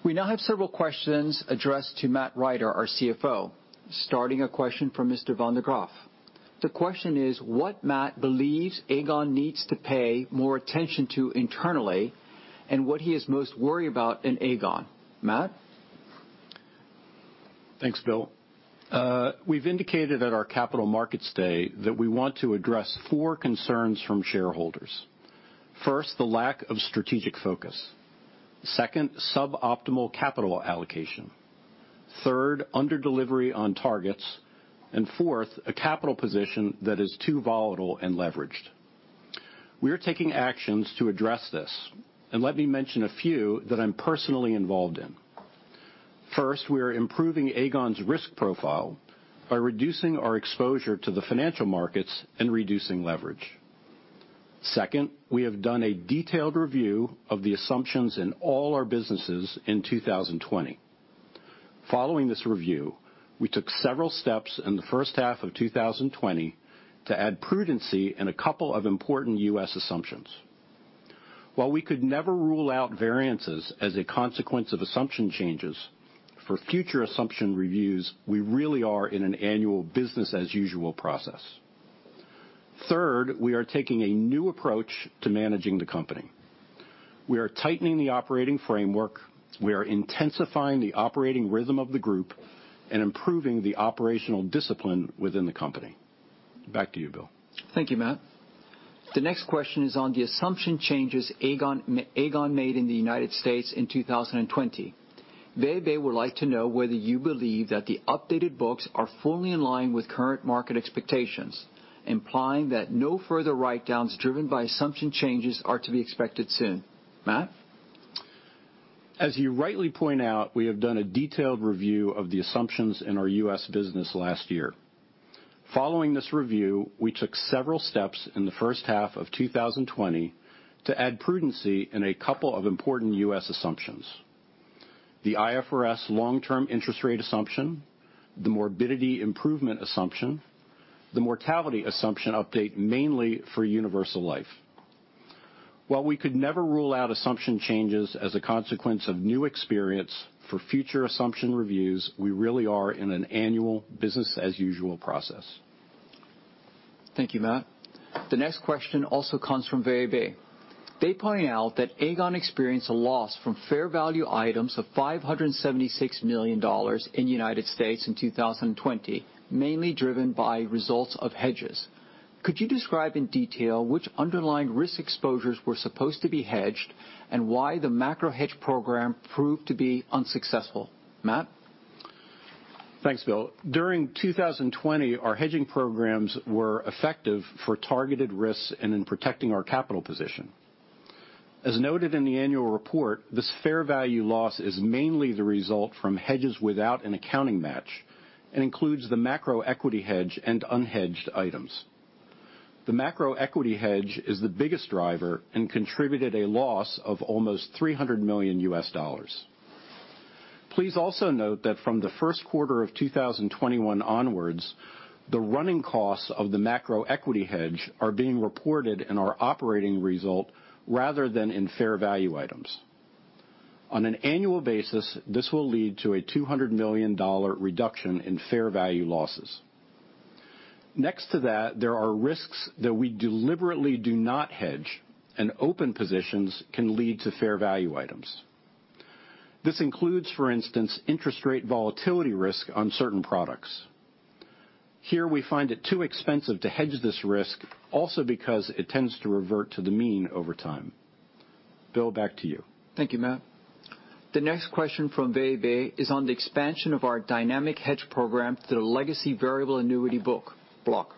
We now have several questions addressed to Matt Rider, our CFO, starting a question from Mr. Van der Graaf. The question is what Matt believes Aegon needs to pay more attention to internally and what he is most worried about in Aegon. Matt? Thanks, Bill. We've indicated at our Capital Markets Day that we want to address four concerns from shareholders. 1st, the lack of strategic focus. 2nd, suboptimal capital allocation. 3rd, under-delivery on targets, and 4th, a capital position that is too volatile and leveraged. We are taking actions to address this, and let me mention a few that I'm personally involved in. 1st, we are improving Aegon's risk profile by reducing our exposure to the financial markets and reducing leverage. 2nd, we have done a detailed review of the assumptions in all our businesses in 2020. Following this review, we took several steps in the first half of 2020 to add prudency in a couple of important U.S. assumptions. While we could never rule out variances as a consequence of assumption changes, for future assumption reviews, we really are in an annual business as usual process. 3rd, we are taking a new approach to managing the company. We are tightening the operating framework. We are intensifying the operating rhythm of the group and improving the operational discipline within the company. Back to you, Bill. Thank you, Matt. The next question is on the assumption changes Aegon made in the United States in 2020. VEB would like to know whether you believe that the updated books are fully in line with current market expectations, implying that no further write-downs driven by assumption changes are to be expected soon. Matt? As you rightly point out, we have done a detailed review of the assumptions in our U.S. business last year. Following this review, we took several steps in the first half of 2020 to add prudency in a couple of important U.S. assumptions. The IFRS long-term interest rate assumption, the morbidity improvement assumption, the mortality assumption update mainly for universal life. While we could never rule out assumption changes as a consequence of new experience, for future assumption reviews, we really are in an annual business as usual process. Thank you, Matt. The next question also comes from VEB. They point out that Aegon experienced a loss from fair value items of $576 million in the U.S. in 2020, mainly driven by results of hedges. Could you describe in detail which underlying risk exposures were supposed to be hedged and why the macro hedge program proved to be unsuccessful? Matt? Thanks, Bill. During 2020, our hedging programs were effective for targeted risks and in protecting our capital position. Noted in the annual report, this fair value loss is mainly the result from hedges without an accounting match and includes the macro equity hedge and unhedged items. The macro equity hedge is the biggest driver and contributed a loss of almost $300 million. Please also note that from the first quarter of 2021 onwards, the running costs of the macro equity hedge are being reported in our operating result rather than in fair value items. On an annual basis, this will lead to a $200 million reduction in fair value losses. Next to that, there are risks that we deliberately do not hedge and open positions can lead to fair value items. This includes, for instance, interest rate volatility risk on certain products. Here we find it too expensive to hedge this risk also because it tends to revert to the mean over time. Bill, back to you. Thank you, Matt. The next question from VEB is on the expansion of our dynamic hedge program to the legacy variable annuity book block.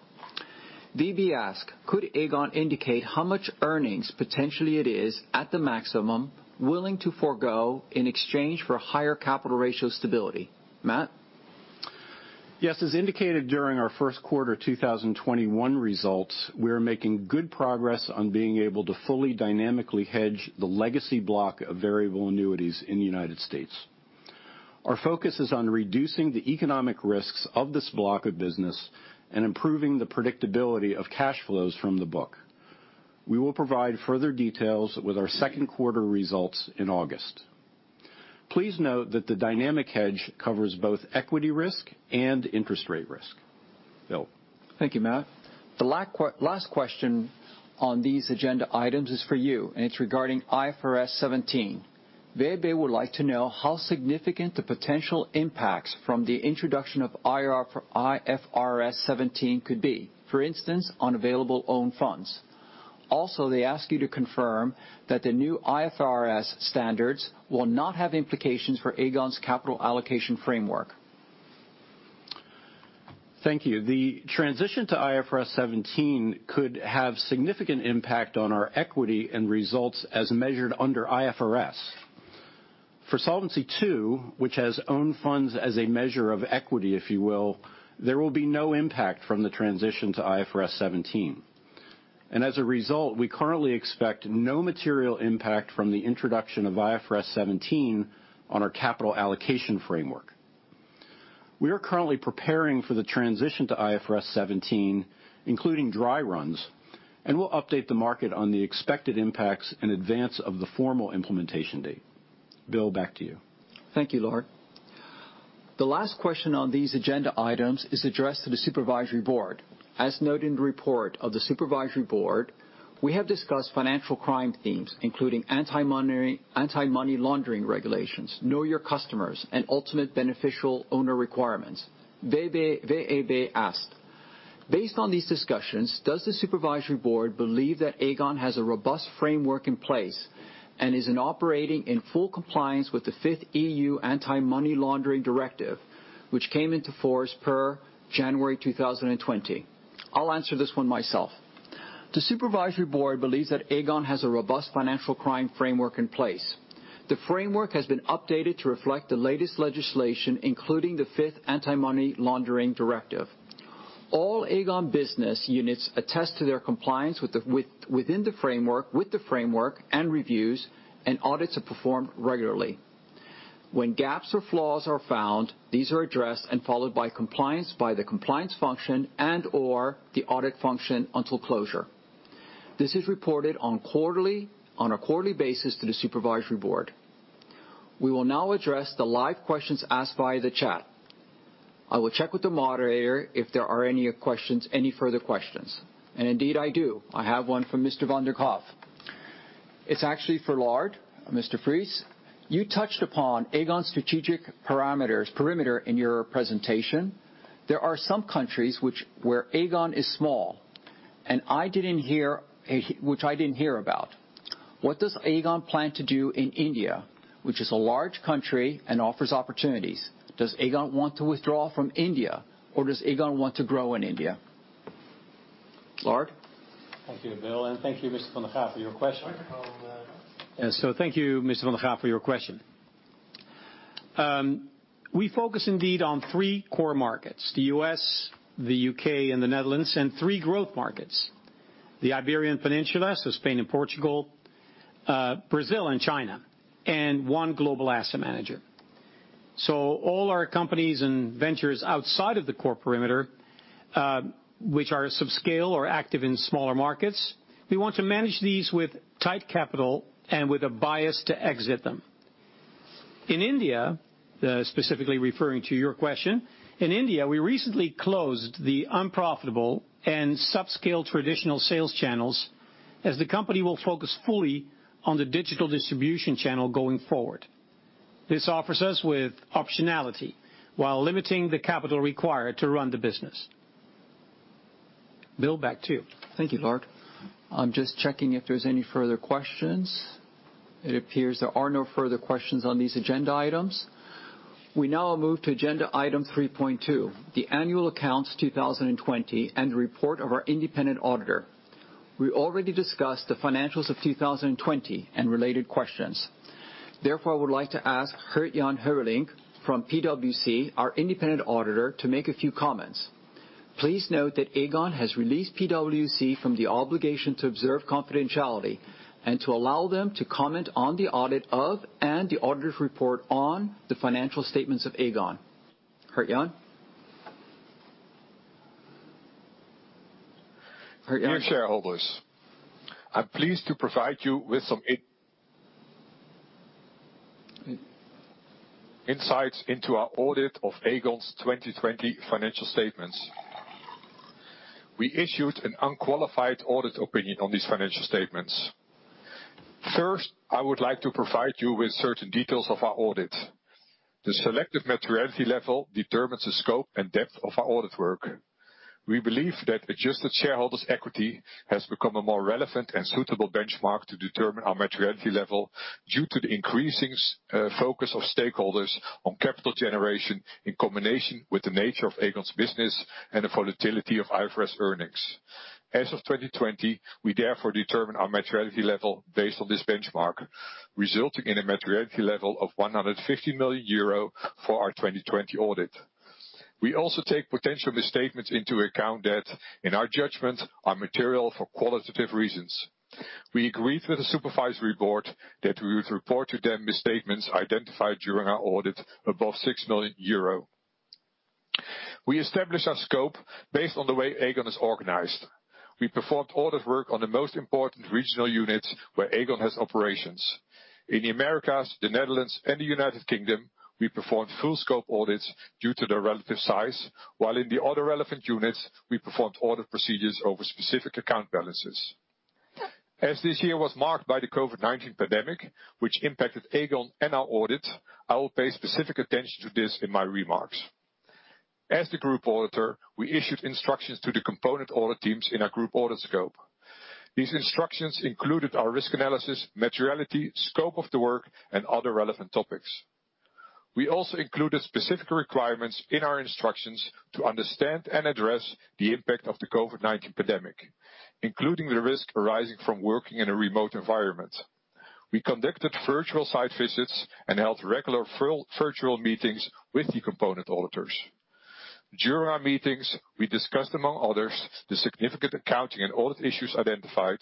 VEB ask, could Aegon indicate how much earnings potentially it is at the maximum willing to forgo in exchange for higher capital ratio stability? Matt? Yes. As indicated during our first quarter 2021 results, we are making good progress on being able to fully dynamically hedge the legacy block of variable annuities in the United States. Our focus is on reducing the economic risks of this block of business and improving the predictability of cash flows from the book. We will provide further details with our second quarter results in August. Please note that the dynamic hedge covers both equity risk and interest rate risk. Bill. Thank you, Matt. The last question on these agenda items is for you, and it's regarding IFRS 17. VEB would like to know how significant the potential impacts from the introduction of IFRS 17 could be, for instance, on available own funds. They ask you to confirm that the new IFRS standards will not have implications for Aegon's capital allocation framework. Thank you. The transition to IFRS 17 could have significant impact on our equity and results as measured under IFRS. For Solvency II, which has own funds as a measure of equity, if you will, there will be no impact from the transition to IFRS 17. As a result, we currently expect no material impact from the introduction of IFRS 17 on our capital allocation framework. We are currently preparing for the transition to IFRS 17, including dry runs, and we'll update the market on the expected impacts in advance of the formal implementation date. Bill, back to you. Thank you, Lard. The last question on these agenda items is addressed to the supervisory board. As noted in the report of the supervisory board, we have discussed financial crime themes, including anti-money laundering regulations, know your customers, and ultimate beneficial owner requirements. VEB asked, based on these discussions, does the supervisory board believe that Aegon has a robust framework in place and is operating in full compliance with the Fifth EU Anti-Money Laundering Directive, which came into force per January 2020? I'll answer this one myself. The supervisory board believes that Aegon has a robust financial crime framework in place. The framework has been updated to reflect the latest legislation, including the Fifth Anti-Money Laundering Directive. All Aegon business units attest to their compliance within the framework and reviews, and audits are performed regularly. When gaps or flaws are found, these are addressed and followed by the compliance function and or the audit function until closure. This is reported on a quarterly basis to the supervisory board. We will now address the live questions asked via the chat. I will check with the moderator if there are any further questions. Indeed I do. I have one from Mr. van der Kof. It's actually for Lard, Mr. Friese. You touched upon Aegon's strategic perimeter in your presentation. There are some countries where Aegon is small, which I didn't hear about. What does Aegon plan to do in India, which is a large country and offers opportunities? Does Aegon want to withdraw from India, or does Aegon want to grow in India? Lard? Thank you, Bill, and thank you, Mr. Van der Kof, for your question. Welcome, Lard. Thank you, Mr. Van der Kof, for your question. We focus indeed on three core markets, the U.S., the U.K., and the Netherlands, and three growth markets, the Iberian Peninsula, so Spain and Portugal, Brazil, and China, and one global asset manager. All our companies and ventures outside of the core perimeter, which are subscale or active in smaller markets, we want to manage these with tight capital and with a bias to exit them. In India, specifically referring to your question, in India, we recently closed the unprofitable and subscale traditional sales channels as the company will focus fully on the digital distribution channel going forward. This offers us with optionality while limiting the capital required to run the business. Bill, back to you. Thank you, Lard. It appears there are no further questions on these agenda items. We now move to agenda item 3.2, the annual accounts 2020 and report of our independent auditor. We already discussed the financials of 2020 and related questions. I would like to ask Gert-Jan Heuvelink from PwC, our independent auditor, to make a few comments. Please note that Aegon has released PwC from the obligation to observe confidentiality and to allow them to comment on the audit of and the audit report on the financial statements of Aegon. Gert-Jan. Dear shareholders, I'm pleased to provide you with some insights into our audit of Aegon's 2020 financial statements. We issued an unqualified audit opinion on these financial statements. 1st, I would like to provide you with certain details of our audit. The selective materiality level determines the scope and depth of our audit work. We believe that adjusted shareholders' equity has become a more relevant and suitable benchmark to determine our materiality level due to the increasing focus of stakeholders on capital generation in combination with the nature of Aegon's business and the volatility of IFRS earnings. As of 2020, we therefore determine our materiality level based on this benchmark, resulting in a materiality level of 150 million euro for our 2020 audit. We also take potential misstatements into account that, in our judgment, are material for qualitative reasons. We agreed with the Supervisory Board that we would report to them misstatements identified during our audit above 6 million euro. We established our scope based on the way Aegon is organized. We performed audit work on the most important regional units where Aegon has operations. In the Americas, the Netherlands, and the United Kingdom, we performed full scope audits due to their relative size, while in the other relevant units, we performed audit procedures over specific account balances. As this year was marked by the COVID-19 pandemic, which impacted Aegon and our audits, I will pay specific attention to this in my remarks. As the group auditor, we issued instructions to the component audit teams in our group audit scope. These instructions included our risk analysis, materiality, scope of the work, and other relevant topics. We also included specific requirements in our instructions to understand and address the impact of the COVID-19 pandemic, including the risk arising from working in a remote environment. We conducted virtual site visits and held regular virtual meetings with the component auditors. During our meetings, we discussed, among others, the significant accounting and audit issues identified,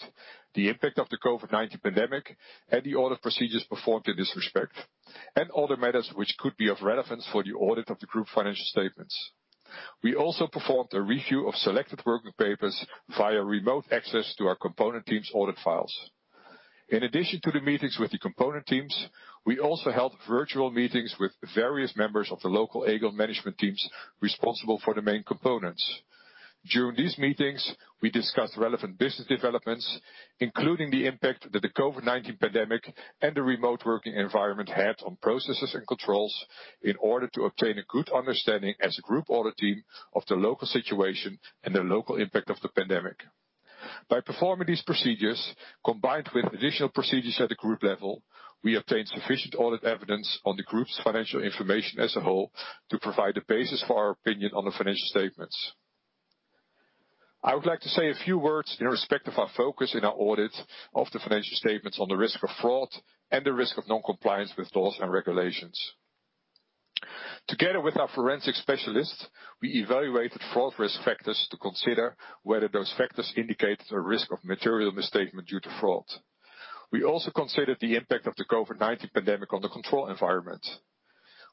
the impact of the COVID-19 pandemic and the audit procedures performed in this respect, and other matters which could be of relevance for the audit of the group financial statements. We also performed a review of selected working papers via remote access to our component teams' audit files. In addition to the meetings with the component teams, we also held virtual meetings with various members of the local Aegon management teams responsible for the main components. During these meetings, we discussed relevant business developments, including the impact that the COVID-19 pandemic and the remote working environment had on processes and controls in order to obtain a good understanding as a group audit team of the local situation and the local impact of the pandemic. By performing these procedures, combined with additional procedures at a group level, we obtained sufficient audit evidence on the group's financial information as a whole to provide a basis for our opinion on the financial statements. I would like to say a few words in respect of our focus in our audit of the financial statements on the risk of fraud and the risk of non-compliance with laws and regulations. Together with our forensic specialists, we evaluated fraud risk factors to consider whether those factors indicated a risk of material misstatement due to fraud. We also considered the impact of the COVID-19 pandemic on the control environment.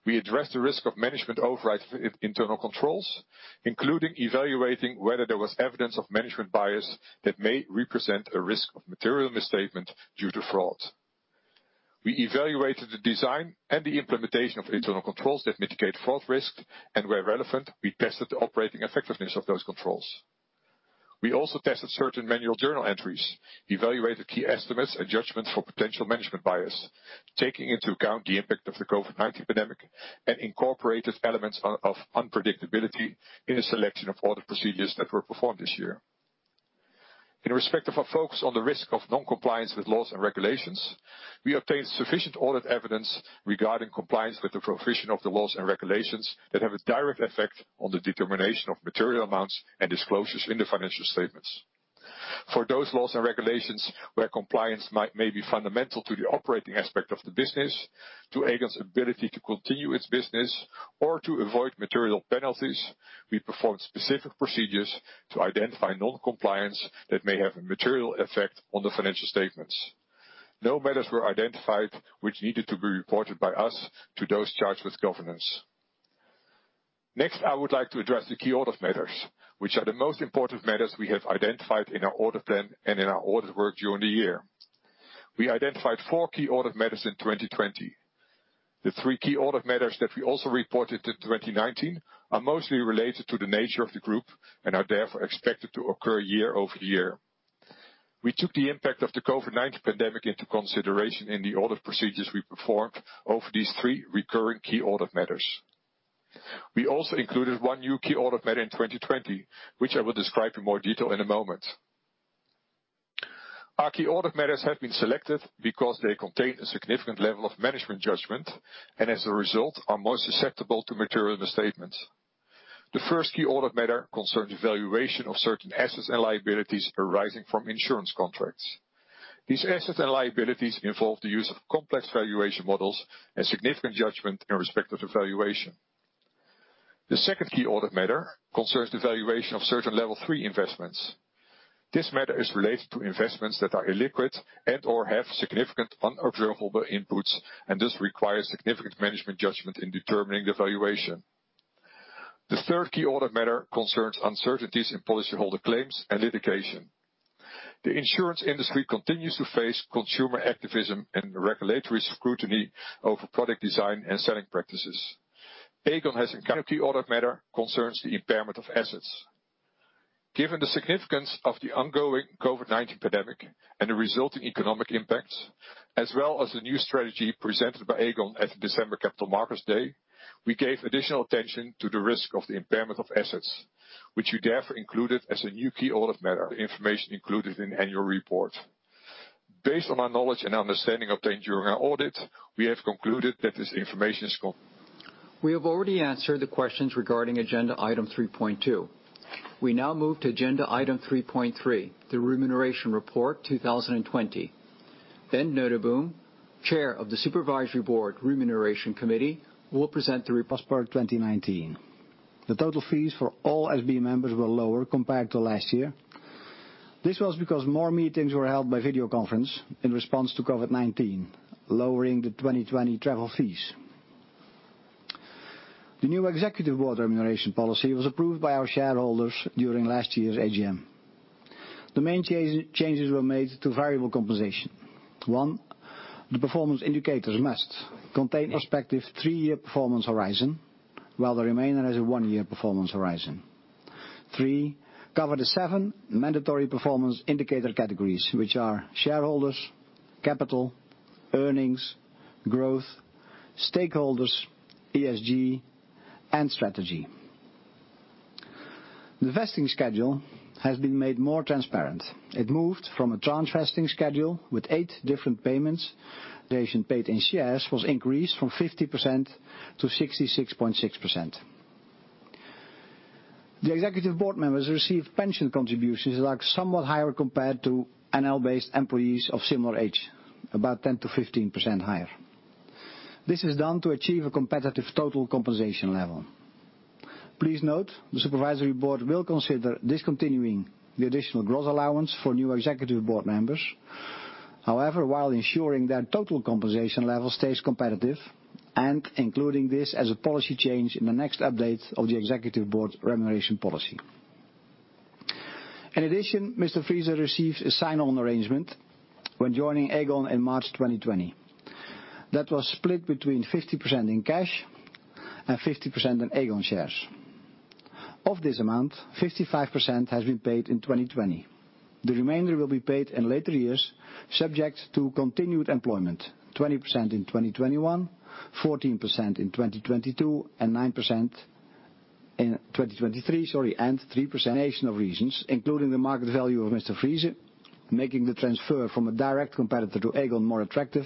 We addressed the risk of management override of internal controls, including evaluating whether there was evidence of management bias that may represent a risk of material misstatement due to fraud. We evaluated the design and the implementation of internal controls that mitigate fraud risk, and where relevant, we tested the operating effectiveness of those controls. We also tested certain manual journal entries, evaluated key estimates and judgments for potential management bias, taking into account the impact of the COVID-19 pandemic, and incorporated elements of unpredictability in a selection of audit procedures that were performed this year. In respect of our focus on the risk of non-compliance with laws and regulations, we obtained sufficient audit evidence regarding compliance with the provision of the laws and regulations that have a direct effect on the determination of material amounts and disclosures in the financial statements. For those laws and regulations where compliance may be fundamental to the operating aspect of the business, to Aegon's ability to continue its business or to avoid material penalties, we performed specific procedures to identify non-compliance that may have a material effect on the financial statements. No matters were identified which needed to be reported by us to those charged with governance. Next, I would like to address the key audit matters, which are the most important matters we have identified in our audit plan and in our audit work during the year. We identified four key audit matters in 2020. The three key audit matters that we also reported in 2019 are mostly related to the nature of the group and are therefore expected to occur year-over-year. We took the impact of the COVID-19 pandemic into consideration in the audit procedures we performed over these three recurring key audit matters. We also included one new key audit matter in 2020, which I will describe in more detail in a moment. Our key audit matters have been selected because they contain a significant level of management judgment, and as a result, are more susceptible to material misstatements. The first key audit matter concerns the valuation of certain assets and liabilities arising from insurance contracts. These assets and liabilities involve the use of complex valuation models and significant judgment in respect of the valuation. The second key audit matter concerns the valuation of certain level three investments. This matter is related to investments that are illiquid and/or have significant unobservable inputs, and thus require significant management judgment in determining the valuation. The third key audit matter concerns uncertainties in policyholder claims and litigation. The insurance industry continues to face consumer activism and regulatory scrutiny over product design and selling practices. Aegon has a key audit matter concerns the impairment of assets. Given the significance of the ongoing COVID-19 pandemic and the resulting economic impacts, as well as the new strategy presented by Aegon at the December Capital Markets Day, we gave additional attention to the risk of the impairment of assets, which we therefore included as a new key audit matter information included in the annual report. Based on our knowledge and understanding obtained during our audit, we have concluded that this information is complete. We have already answered the questions regarding agenda item 3.2. We now move to agenda item 3.3, the Remuneration Report 2020. Ben Noteboom, chair of the Supervisory Board Remuneration Committee, will present the report 2019. The total fees for all SB members were lower compared to last year. This was because more meetings were held by video conference in response to COVID-19, lowering the 2020 travel fees. The new executive board remuneration policy was approved by our shareholders during last year's AGM. The main changes were made to variable compensation. One, the performance indicators must contain prospective three-year performance horizon, while the remainder has a one-year performance horizon. Three, cover the seven mandatory performance indicator categories, which are shareholders, capital, earnings, growth, stakeholders, ESG, and strategy. The vesting schedule has been made more transparent. It moved from a tranche vesting schedule with eight different payments. Remuneration paid in shares was increased from 50%-66.6%. The executive board members received pension contributions that are somewhat higher compared to NL-based employees of similar age, about 10%-15% higher. This is done to achieve a competitive total compensation level. Please note, the supervisory board will consider discontinuing the additional growth allowance for new executive board members. However, while ensuring their total compensation level stays competitive and including this as a policy change in the next update of the executive board remuneration policy. In addition, Mr. Friese received a sign-on arrangement when joining Aegon in March 2020. That was split between 50% in cash and 50% in Aegon shares. Of this amount, 55% has been paid in 2020. The remainder will be paid in later years, subject to continued employment, 20% in 2021, 14% in 2022, and 9% in 2023, sorry, and 3%. A combination of reasons, including the market value of Mr. Friese, making the transfer from a direct competitor to Aegon more attractive,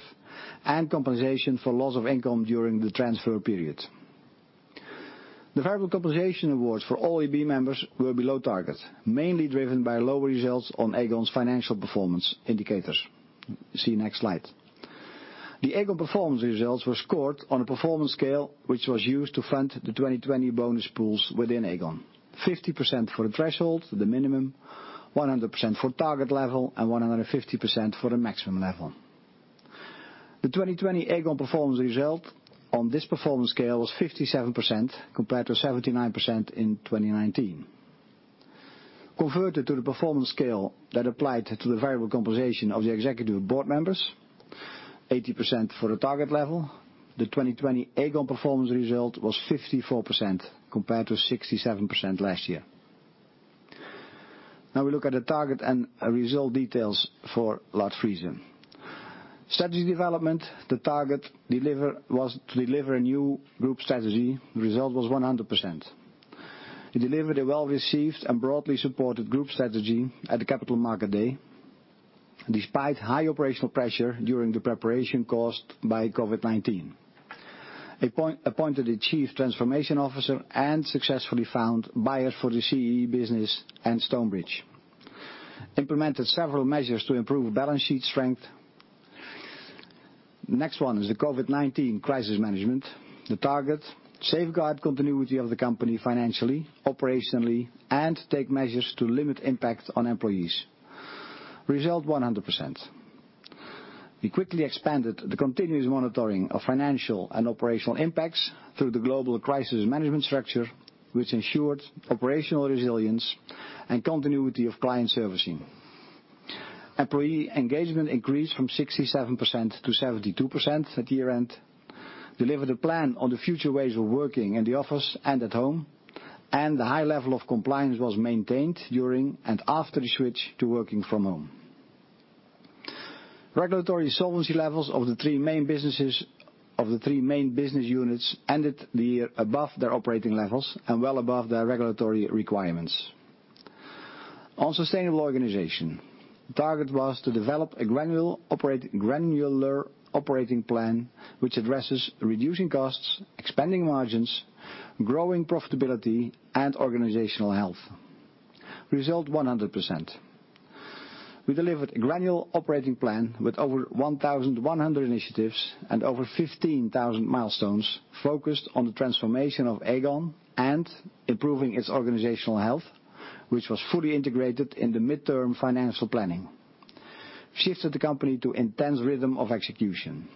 and compensation for loss of income during the transfer period. The variable compensation awards for all EB members were below target, mainly driven by lower results on Aegon's financial performance indicators. See next slide. The Aegon performance results were scored on a performance scale, which was used to fund the 2020 bonus pools within Aegon. 50% for the threshold, the minimum, 100% for target level, and 150% for the maximum level. The 2020 Aegon performance result on this performance scale was 57% compared to 79% in 2019. Converted to the performance scale that applied to the variable compensation of the executive board members, 80% for the target level. The 2020 Aegon performance result was 54% compared to 67% last year. We look at the target and result details for Lard Friese. Strategy development, the target was to deliver a new group strategy. The result was 100%. He delivered a well-received and broadly supported group strategy at the Capital Markets Day, despite high operational pressure during the preparation caused by COVID-19. Appointed a chief transformation officer and successfully found buyers for the CEE business and Stonebridge. Implemented several measures to improve balance sheet strength. Next one is the COVID-19 crisis management. The target, safeguard continuity of the company financially, operationally, and take measures to limit impact on employees. Result, 100%. We quickly expanded the continuous monitoring of financial and operational impacts through the global crisis management structure, which ensured operational resilience and continuity of client servicing. Employee engagement increased from 67%-72% at year-end. Delivered a plan on the future ways of working in the office and at home. The high level of compliance was maintained during and after the switch to working from home. Regulatory solvency levels of the three main business units ended the year above their operating levels and well above their regulatory requirements. On sustainable organization, the target was to develop a granular operating plan which addresses reducing costs, expanding margins, growing profitability, and organizational health. Result, 100%. We delivered a granular operating plan with over 1,100 initiatives and over 15,000 milestones focused on the transformation of Aegon and improving its organizational health, which was fully integrated in the midterm financial planning. Shifted the company to intense rhythm of execution.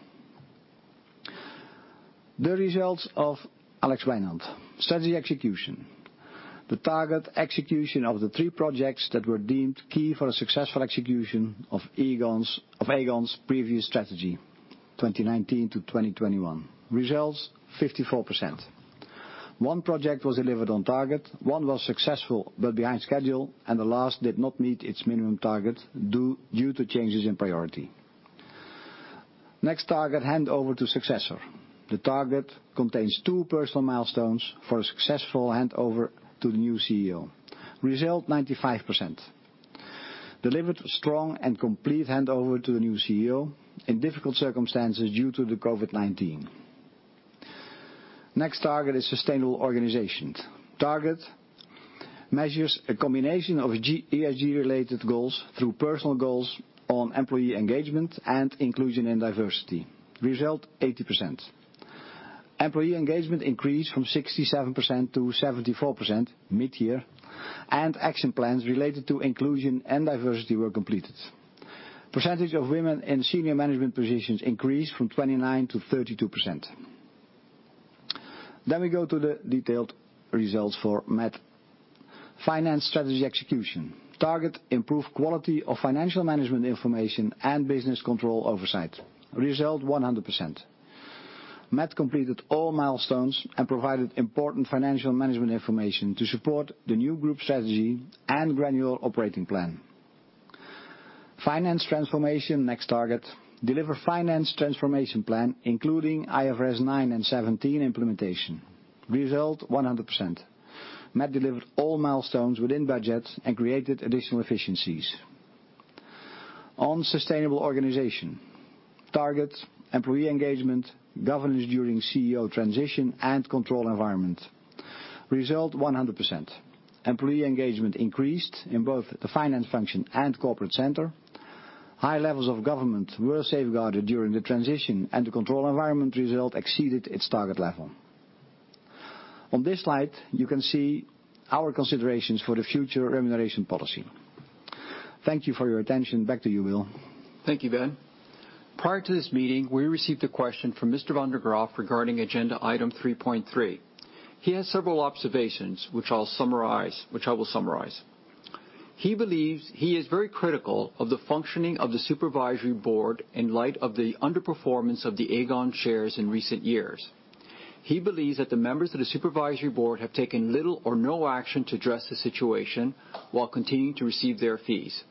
The results of Alex Wynaendts. Strategy execution. The target, execution of the three projects that were deemed key for successful execution of Aegon's previous strategy, 2019 to 2021. Results, 54%. One project was delivered on target, one was successful but behind schedule, and the last did not meet its minimum target due to changes in priority. Next target, hand over to successor. The target contains two personal milestones for a successful handover to the new CEO. Result, 95%. Delivered strong and complete handover to the new CEO in difficult circumstances due to the COVID-19. Next target is sustainable organization. Target, measures a combination of ESG-related goals through personal goals on employee engagement and inclusion and diversity. Result, 80%. Employee engagement increased from 67%-74% mid-year, and action plans related to inclusion and diversity were completed. Percentage of women in senior management positions increased from 29%-32%. We go to the detailed results for Matt. Finance strategy execution. Target, improve quality of financial management information and business control oversight. Result, 100%. Matt completed all milestones and provided important financial management information to support the new group strategy and granular operating plan. Finance transformation. Next target, deliver finance transformation plan, including IFRS 9 and IFRS 17 implementation. Result, 100%. Matt delivered all milestones within budget and created additional efficiencies. On sustainable organization. Target, employee engagement, governance during CEO transition, and control environment. Result, 100%. Employee engagement increased in both the finance function and corporate center. High levels of governance were safeguarded during the transition, and the control environment result exceeded its target level. On this slide, you can see our considerations for the future remuneration policy. Thank you for your attention. Back to you, Bill. Thank you, Ben. Prior to this meeting, we received a question from Mr. Van der Graaf regarding agenda item 3.3. He has several observations, which I will summarize. He is very critical of the functioning of the supervisory board in light of the underperformance of the Aegon shares in recent years. He believes that the members of the supervisory board have taken little or no action to address the situation while continuing to receive their fees.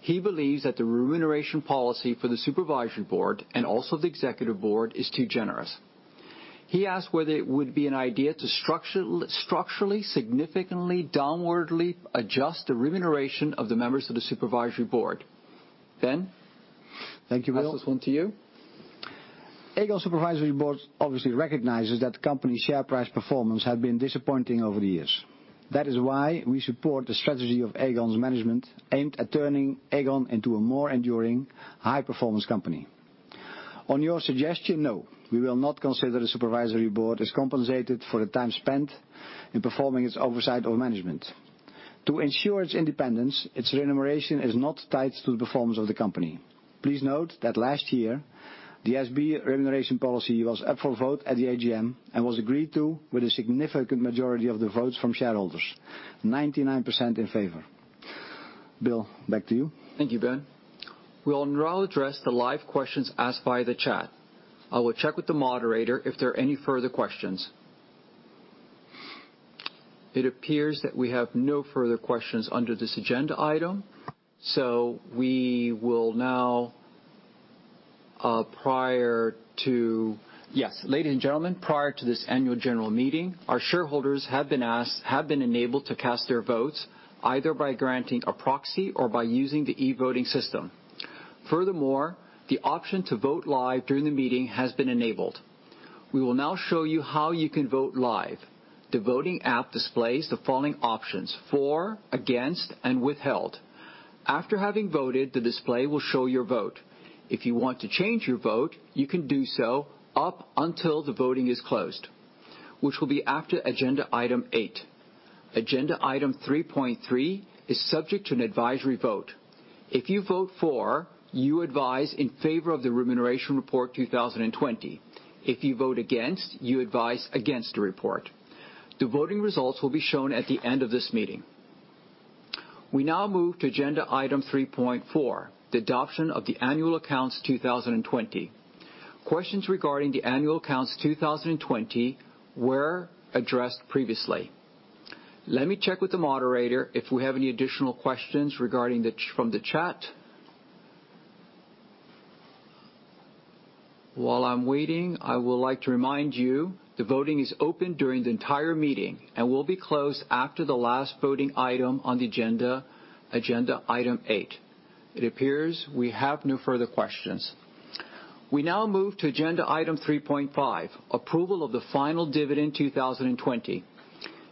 He believes that the remuneration policy for the supervisory board, and also the executive board, is too generous. He asked whether it would be an idea to structurally, significantly, downwardly adjust the remuneration of the members of the supervisory board. Ben? Thank you, Bill. It's on to you. Aegon Supervisory Board obviously recognizes that company share price performance has been disappointing over the years. That is why we support the strategy of Aegon's management aimed at turning Aegon into a more enduring high-performance company. On your suggestion, no, we will not consider the Supervisory Board is compensated for the time spent in performing its oversight of management. To ensure its independence, its remuneration is not tied to the performance of the company. Please note that last year, the SB remuneration policy was up for vote at the AGM and was agreed to with a significant majority of the votes from shareholders, 99% in favor. Bill, back to you. Thank you, Ben. We will now address the live questions asked via the chat. I will check with the moderator if there are any further questions. It appears that we have no further questions under this agenda item. Yes. Ladies and gentlemen, prior to this annual general meeting, our shareholders have been enabled to cast their votes either by granting a proxy or by using the e-voting system. Furthermore, the option to vote live during the meeting has been enabled. We will now show you how you can vote live. The voting app displays the following options: for, against, and withheld. After having voted, the display will show your vote. If you want to change your vote, you can do so up until the voting is closed, which will be after agenda item eight. Agenda item 3.3 is subject to an advisory vote. If you vote for, you advise in favor of the remuneration report 2020. If you vote against, you advise against the report. The voting results will be shown at the end of this meeting. We now move to agenda item 3.4, the adoption of the annual accounts 2020. Questions regarding the annual accounts 2020 were addressed previously. Let me check with the moderator if we have any additional questions regarding from the chat. While I'm waiting, I would like to remind you the voting is open during the entire meeting and will be closed after the last voting item on the agenda item eight. It appears we have no further questions. We now move to agenda item 3.5, approval of the final dividend 2020.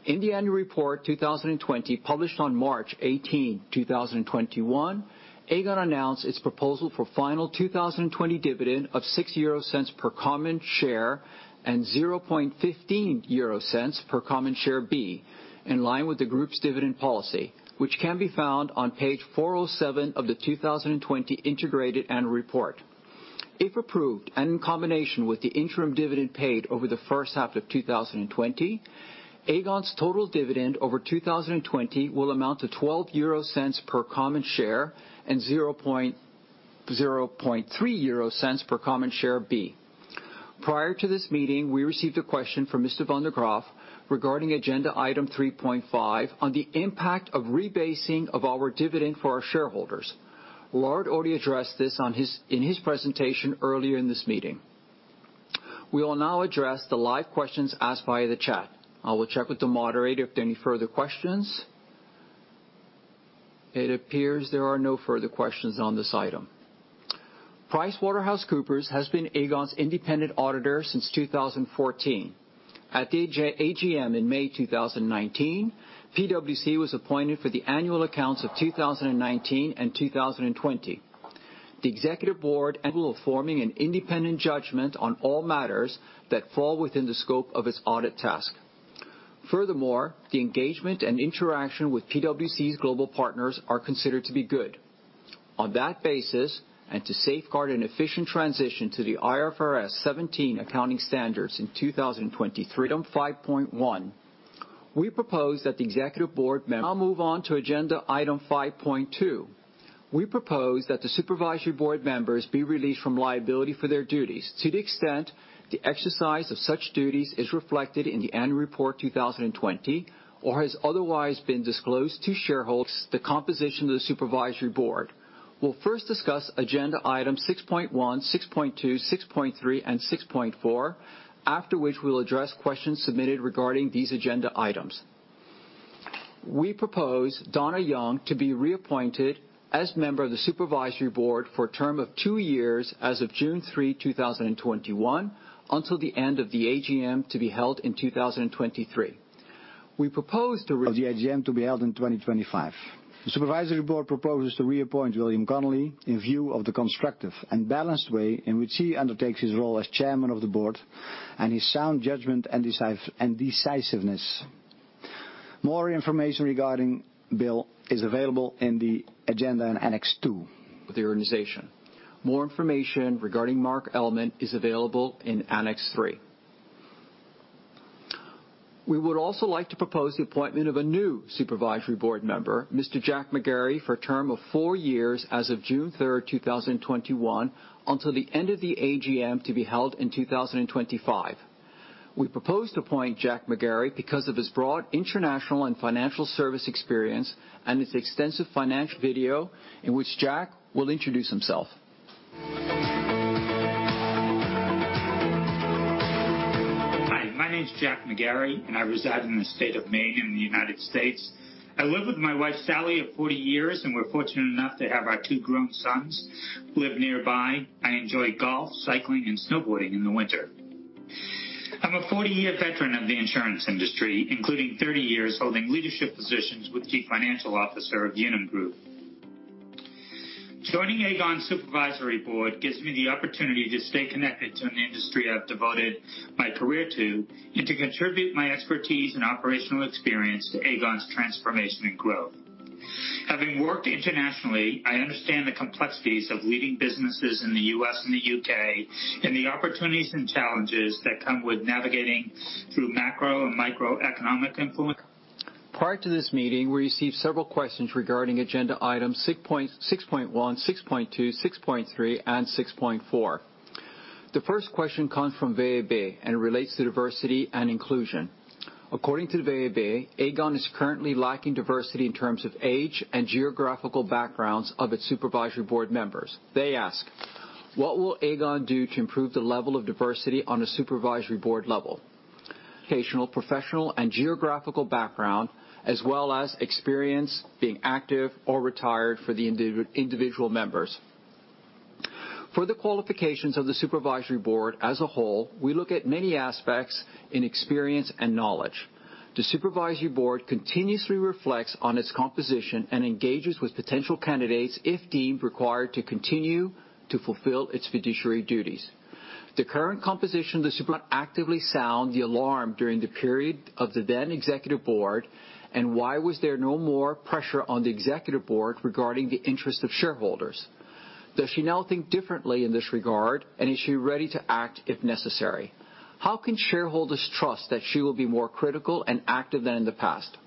In the annual report 2020, published on March 18, 2021, Aegon announced its proposal for final 2020 dividend of 0.06 per common share and 0.0015 per common share B, in line with the group's dividend policy, which can be found on page 407 of the 2020 integrated annual report. If approved, in combination with the interim dividend paid over the first half of 2020, Aegon's total dividend over 2020 will amount to 0.12 per common share and 0.003 per common share B. Prior to this meeting, we received a question from Mr. van der Krol regarding agenda item 3.5 on the impact of rebasing of our dividend for our shareholders. Lard already addressed this in his presentation earlier in this meeting. We will now address the live questions asked via the chat. I will check with the moderator if there are any further questions. It appears there are no further questions on this item. PricewaterhouseCoopers has been Aegon's independent auditor since 2014. At the AGM in May 2019, PwC was appointed for the annual accounts of 2019 and 2020. The executive board of forming an independent judgment on all matters that fall within the scope of its audit task. Furthermore, the engagement and interaction with PwC's global partners are considered to be good. On that basis, and to safeguard an efficient transition to the IFRS 17 accounting standards in 2023 item 5.1. Now move on to agenda item 5.2. We propose that the supervisory board members be released from liability for their duties to the extent the exercise of such duties is reflected in the annual report 2020 or has otherwise been disclosed to shareholders the composition of the supervisory board. We'll first discuss agenda items 6.1, 6.2, 6.3, and 6.4, after which we'll address questions submitted regarding these agenda items. We propose Dona Young to be reappointed as member of the supervisory board for a term of two years as of June 3, 2021, until the end of the AGM to be held in 2023. We propose to of the AGM to be held in 2025. The supervisory board proposes to reappoint William Connelly in view of the constructive and balanced way in which he undertakes his role as chairman of the board and his sound judgment and decisiveness. More information regarding Bill is available in the agenda in annex two. The organization. More information regarding Mark Ellman is available in annex three. We would also like to propose the appointment of a new Supervisory Board member, Mr. Jack McGarry, for a term of four years as of June 3, 2021, until the end of the AGM to be held in 2025. We propose to appoint Jack McGarry because of his broad international and financial service experience and his extensive financial video in which Jack will introduce himself. Hi, my name is Jack McGarry. I reside in the state of Maine in the U.S. I live with my wife, Sally, of 40 years. We're fortunate enough to have our two grown sons who live nearby. I enjoy golf, cycling, and snowboarding in the winter. I'm a 40-year veteran of the insurance industry, including 30 years holding leadership positions with Chief Financial Officer of Unum Group. Joining Aegon Supervisory Board gives me the opportunity to stay connected to an industry I've devoted my career to and to contribute my expertise and operational experience to Aegon's transformation and growth. Having worked internationally, I understand the complexities of leading businesses in the U.S. and the U.K. and the opportunities and challenges that come with navigating through macro and microeconomic influence. Prior to this meeting, we received several questions regarding agenda items 6.1, 6.2, 6.3, and 6.4. The first question comes from VEB and relates to diversity and inclusion. According to VEB, Aegon is currently lacking diversity in terms of age and geographical backgrounds of its supervisory board members. They ask, "What will Aegon do to improve the level of diversity on a supervisory board level?" Educational, professional, and geographical background, as well as experience being active or retired for the individual members. For the qualifications of the supervisory board as a whole, we look at many aspects in experience and knowledge. The supervisory board continuously reflects on its composition and engages with potential candidates if deemed required to continue to fulfill its fiduciary duties. The current composition of the super-- Actively sound the alarm during the period of the then Executive Board, why was there no more pressure on the Executive Board regarding the interest of shareholders? Does she now think differently in this regard, and is she ready to act if necessary? How can shareholders trust that she will be more critical and active than in the past?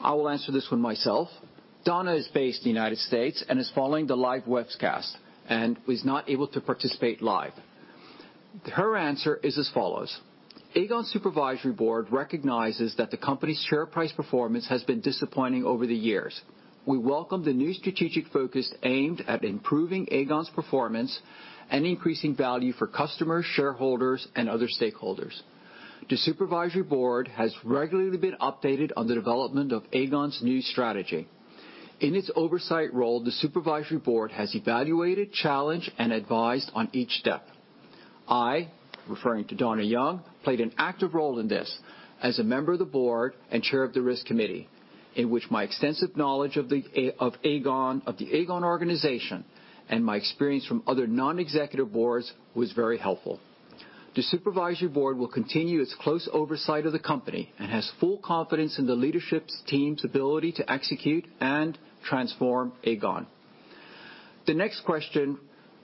I will answer this one myself. Dona is based in the U.S. and is following the live webcast and was not able to participate live. Her answer is as follows. "Aegon Supervisory Board recognizes that the company's share price performance has been disappointing over the years. We welcome the new strategic focus aimed at improving Aegon's performance and increasing value for customers, shareholders, and other stakeholders. The Supervisory Board has regularly been updated on the development of Aegon's new strategy. In its oversight role, the Supervisory Board has evaluated, challenged, and advised on each step. I played an active role in this as a member of the board and Chair of the Risk Committee, in which my extensive knowledge of the Aegon organization and my experience from other non-executive boards was very helpful. The Supervisory Board will continue its close oversight of the company and has full confidence in the leadership team's ability to execute and transform Aegon. The next question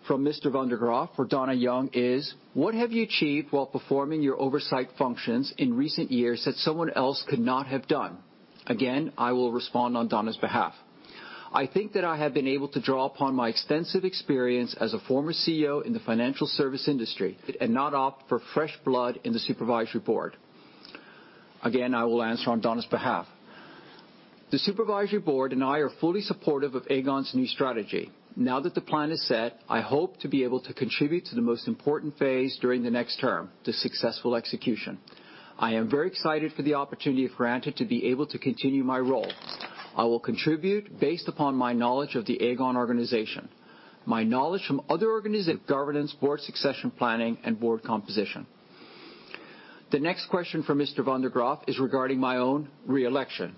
from Mr. Van der Graaf for Dona Young is, "What have you achieved while performing your oversight functions in recent years that someone else could not have done?" Again, I will respond on Dona's behalf. I think that I have been able to draw upon my extensive experience as a former CEO in the financial service industry and not opt for fresh blood in the Supervisory Board." Again, I will answer on Dona's behalf. "The Supervisory Board and I are fully supportive of Aegon's new strategy. Now that the plan is set, I hope to be able to contribute to the most important phase during the next term, the successful execution. I am very excited for the opportunity, if granted, to be able to continue my role. I will contribute based upon my knowledge of the Aegon organization, my knowledge from other governance, board succession planning, and board composition." The next question from Mr. Van der Graaf is regarding my own re-election.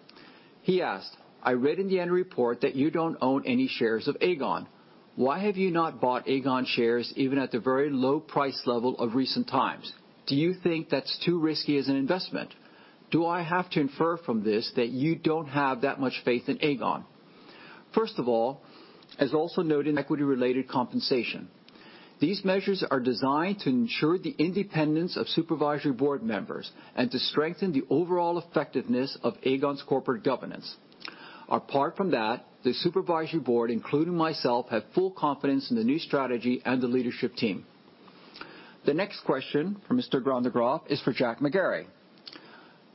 He asked, "I read in the annual report that you don't own any shares of Aegon. Why have you not bought Aegon shares even at the very low price level of recent times? Do you think that's too risky as an investment? Do I have to infer from this that you don't have that much faith in Aegon?" First of all, as also noted equity related compensation. These measures are designed to ensure the independence of Supervisory Board members and to strengthen the overall effectiveness of Aegon's corporate governance. Apart from that, the Supervisory Board, including myself, have full confidence in the new strategy and the leadership team. The next question from Mr. Van der Graaf is for Jack McGarry.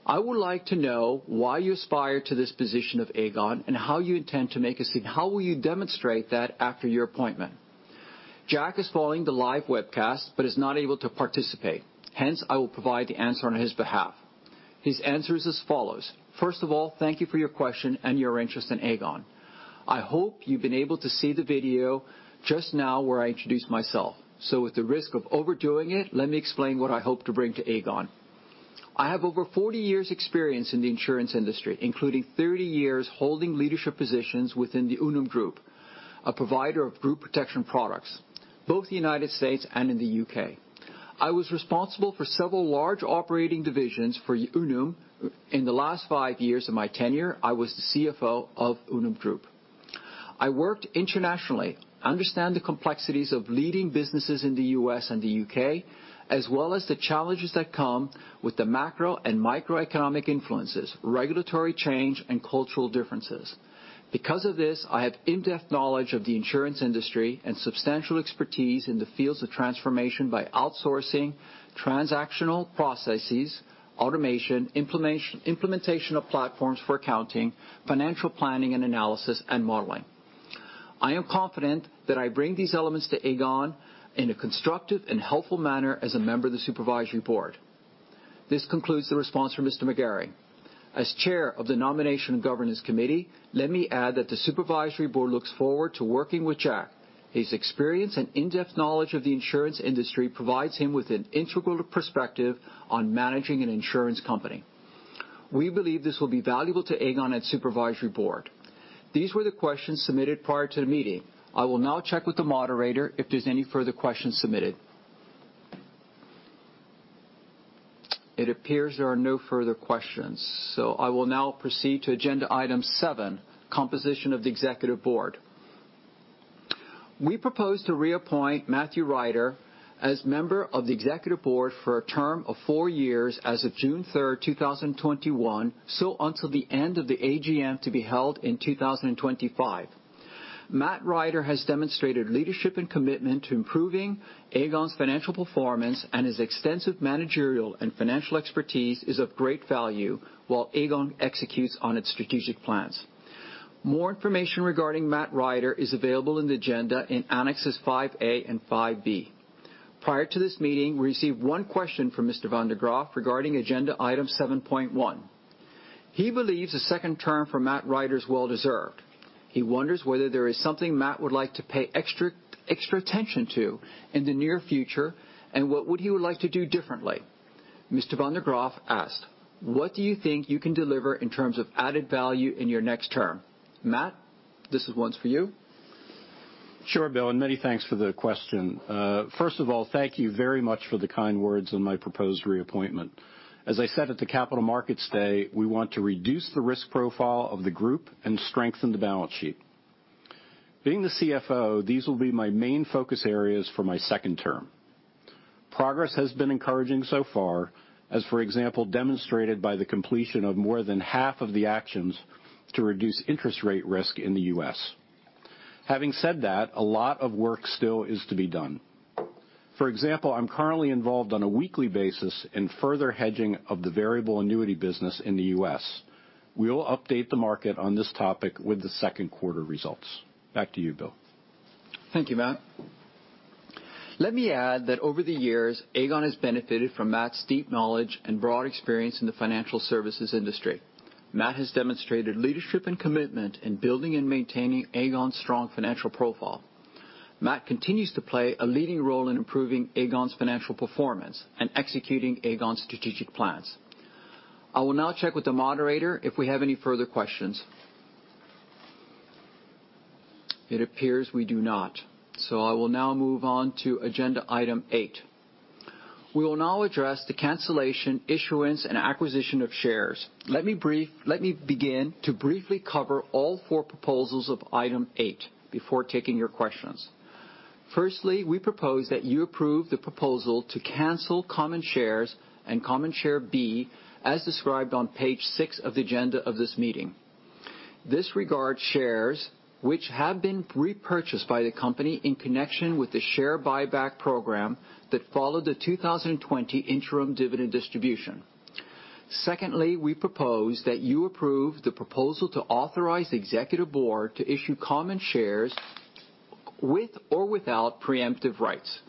I would like to know why you aspire to this position of Aegon and how will you demonstrate that after your appointment? Jack is following the live webcast but is not able to participate. I will provide the answer on his behalf. His answer is as follows. First of all, thank you for your question and your interest in Aegon. I hope you've been able to see the video just now where I introduced myself. With the risk of overdoing it, let me explain what I hope to bring to Aegon. I have over 40 years experience in the insurance industry, including 30 years holding leadership positions within the Unum Group, a provider of group protection products, both the U.S. and in the U.K. I was responsible for several large operating divisions for Unum. In the last five years of my tenure, I was the CFO of Unum Group. I worked internationally, understand the complexities of leading businesses in the U.S. and the U.K., as well as the challenges that come with the macro and microeconomic influences, regulatory change, and cultural differences. Because of this, I have in-depth knowledge of the insurance industry and substantial expertise in the fields of transformation by outsourcing transactional processes, automation, implementation of platforms for accounting, financial planning, and analysis and modeling. I am confident that I bring these elements to Aegon in a constructive and helpful manner as a member of the Supervisory Board." This concludes the response from Mr. McGarry. As Chair of the Nomination and Governance Committee, let me add that the Supervisory Board looks forward to working with Jack. His experience and in-depth knowledge of the insurance industry provides him with an integral perspective on managing an insurance company. We believe this will be valuable to Aegon and Supervisory Board. These were the questions submitted prior to the meeting. I will now check with the moderator if there's any further questions submitted. It appears there are no further questions. I will now proceed to agenda item seven, composition of the Executive Board. We propose to reappoint Matthew Rider as member of the Executive Board for a term of four years as of June 3rd, 2021, so until the end of the AGM to be held in 2025. Matt Rider has demonstrated leadership and commitment to improving Aegon's financial performance and his extensive managerial and financial expertise is of great value while Aegon executes on its strategic plans. More information regarding Matt Rider is available in the agenda in annexes five A and five B. Prior to this meeting, we received one question from Mr. Van der Graaf regarding agenda item 7.1. He believes a second term for Matt Rider is well-deserved. He wonders whether there is something Matt would like to pay extra attention to in the near future, and what would he like to do differently? Mr. Van der Graaf asked, "What do you think you can deliver in terms of added value in your next term?" Matt, this one's for you. Sure, Bill. Many thanks for the question. First of all, thank you very much for the kind words on my proposed reappointment. As I said at the Capital Markets Day, we want to reduce the risk profile of the group and strengthen the balance sheet. Being the CFO, these will be my main focus areas for my second term. Progress has been encouraging so far, as, for example, demonstrated by the completion of more than half of the actions to reduce interest rate risk in the U.S. Having said that, a lot of work still is to be done. For example, I'm currently involved on a weekly basis in further hedging of the variable annuity business in the U.S. We will update the market on this topic with the second quarter results. Back to you, Bill. Thank you, Matt. Let me add that over the years, Aegon has benefited from Matt's deep knowledge and broad experience in the financial services industry. Matt has demonstrated leadership and commitment in building and maintaining Aegon's strong financial profile. Matt continues to play a leading role in improving Aegon's financial performance and executing Aegon's strategic plans. I will now check with the moderator if we have any further questions. It appears we do not. I will now move on to agenda item eight. We will now address the cancellation, issuance, and acquisition of shares. Let me begin to briefly cover all four proposals of item eight before taking your questions. Firstly, we propose that you approve the proposal to cancel common shares and common share B, as described on page six of the agenda of this meeting. This regards shares which have been repurchased by the company in connection with the share buyback program that followed the 2020 interim dividend distribution. Secondly, we propose that you approve the proposal to authorize the Executive Board to issue common shares with or without preemptive rights,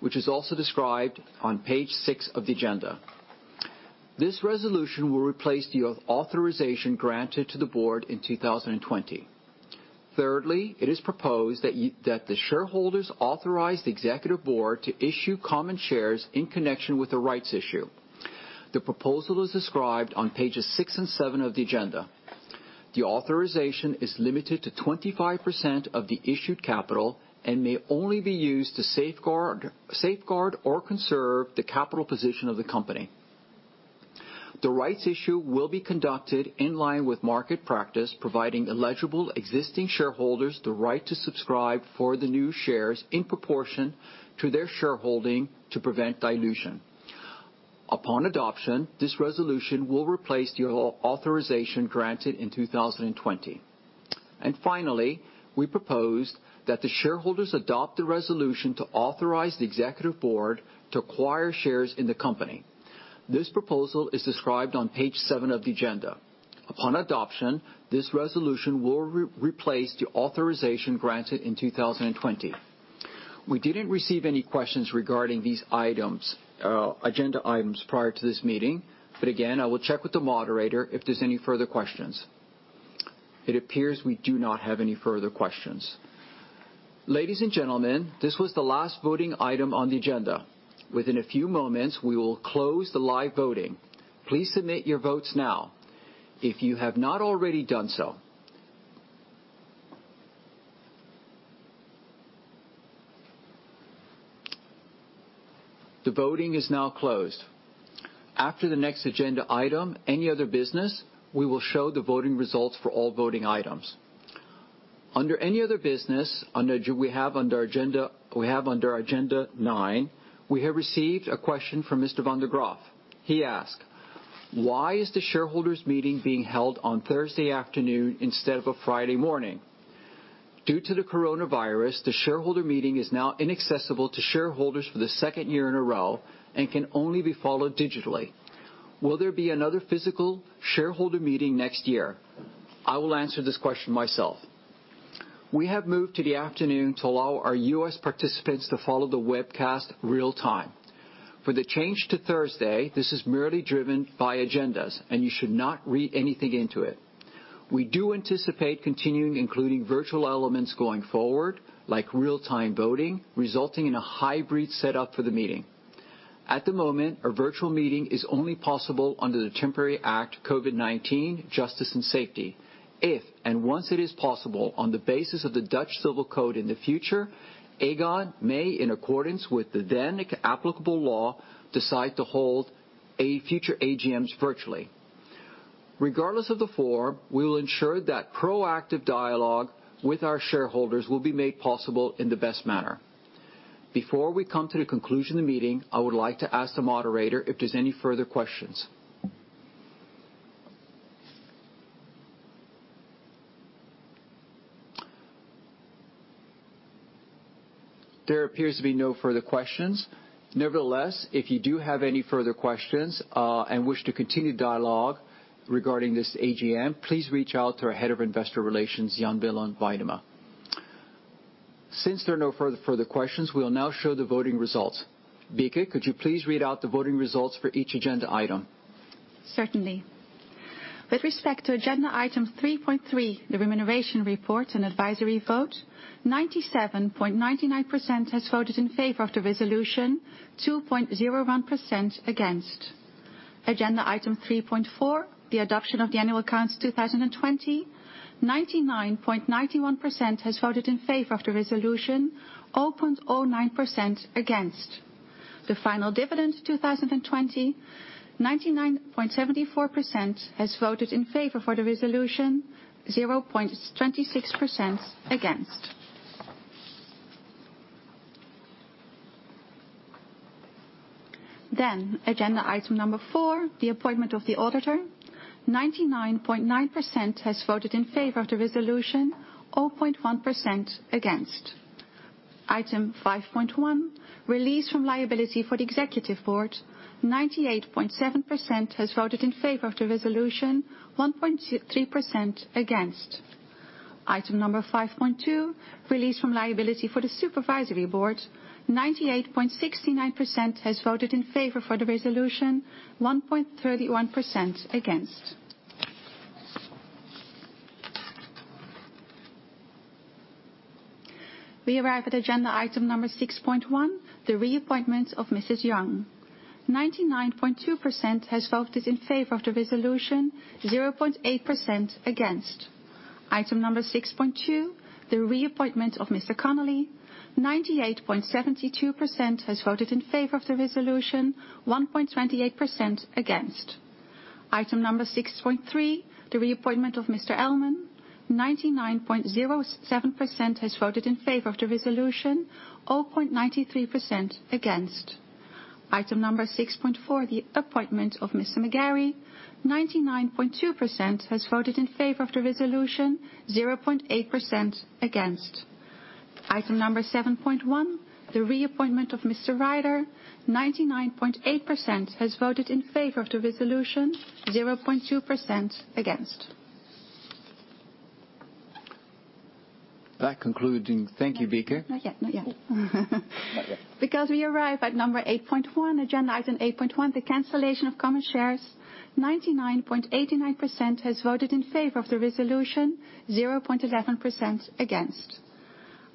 which is also described on page six of the agenda. This resolution will replace the authorization granted to the board in 2020. Thirdly, it is proposed that the shareholders authorize the Executive Board to issue common shares in connection with the rights issue. The proposal is described on pages six and seven of the agenda. The authorization is limited to 25% of the issued capital and may only be used to safeguard or conserve the capital position of the company. The rights issue will be conducted in line with market practice, providing eligible existing shareholders the right to subscribe for the new shares in proportion to their shareholding to prevent dilution. Upon adoption, this resolution will replace the authorization granted in 2020. Finally, we propose that the shareholders adopt the resolution to authorize the Executive Board to acquire shares in the company. This proposal is described on page seven of the agenda. Upon adoption, this resolution will replace the authorization granted in 2020. We didn't receive any questions regarding these agenda items prior to this meeting, but again, I will check with the moderator if there's any further questions. It appears we do not have any further questions. Ladies and gentlemen, this was the last voting item on the agenda. Within a few moments, we will close the live voting. Please submit your votes now if you have not already done so. The voting is now closed. After the next agenda item, any other business, we will show the voting results for all voting items. Under any other business we have under agenda nine, we have received a question from Mr. Van der Graaf. He asked, "Why is the shareholders meeting being held on Thursday afternoon instead of a Friday morning?" Due to the coronavirus, the shareholder meeting is now inaccessible to shareholders for the second year in a row and can only be followed digitally. Will there be another physical shareholder meeting next year? I will answer this question myself. We have moved to the afternoon to allow our U.S. participants to follow the webcast real time. For the change to Thursday, this is merely driven by agendas, and you should not read anything into it. We do anticipate continuing including virtual elements going forward, like real-time voting, resulting in a hybrid setup for the meeting. At the moment, a virtual meeting is only possible under the Temporary Act COVID-19 Justice and Security. If and once it is possible on the basis of the Dutch Civil Code in the future, Aegon may, in accordance with the then applicable law, decide to hold future AGMs virtually. Regardless of the form, we will ensure that proactive dialogue with our shareholders will be made possible in the best manner. Before we come to the conclusion of the meeting, I would like to ask the moderator if there's any further questions. There appears to be no further questions. If you do have any further questions, and wish to continue dialogue regarding this AGM, please reach out to our head of investor relations, Jan Willem Weidema. Since there are no further questions, we will now show the voting results. Bieke, could you please read out the voting results for each agenda item? Certainly. With respect to agenda item 3.3, the remuneration report and advisory vote, 97.99% has voted in favor of the resolution, 2.01% against. Agenda item 3.4, the adoption of the annual accounts 2020, 99.91% has voted in favor of the resolution, 0.09% against. The final dividends 2020, 99.74% has voted in favor for the resolution, 0.26% against. Agenda item number four, the appointment of the auditor, has voted in favor of the resolution, 0.1% against. Item 5.1, release from liability for the Executive Board, 98.7% has voted in favor of the resolution, 1.3% against. Item number 5.2, release from liability for the Supervisory Board, 98.69% has voted in favor for the resolution, 1.31% against. We arrive at agenda item number 6.1, the reappointment of Mrs. Young, 99.2% has voted in favor of the resolution, 0.8% against.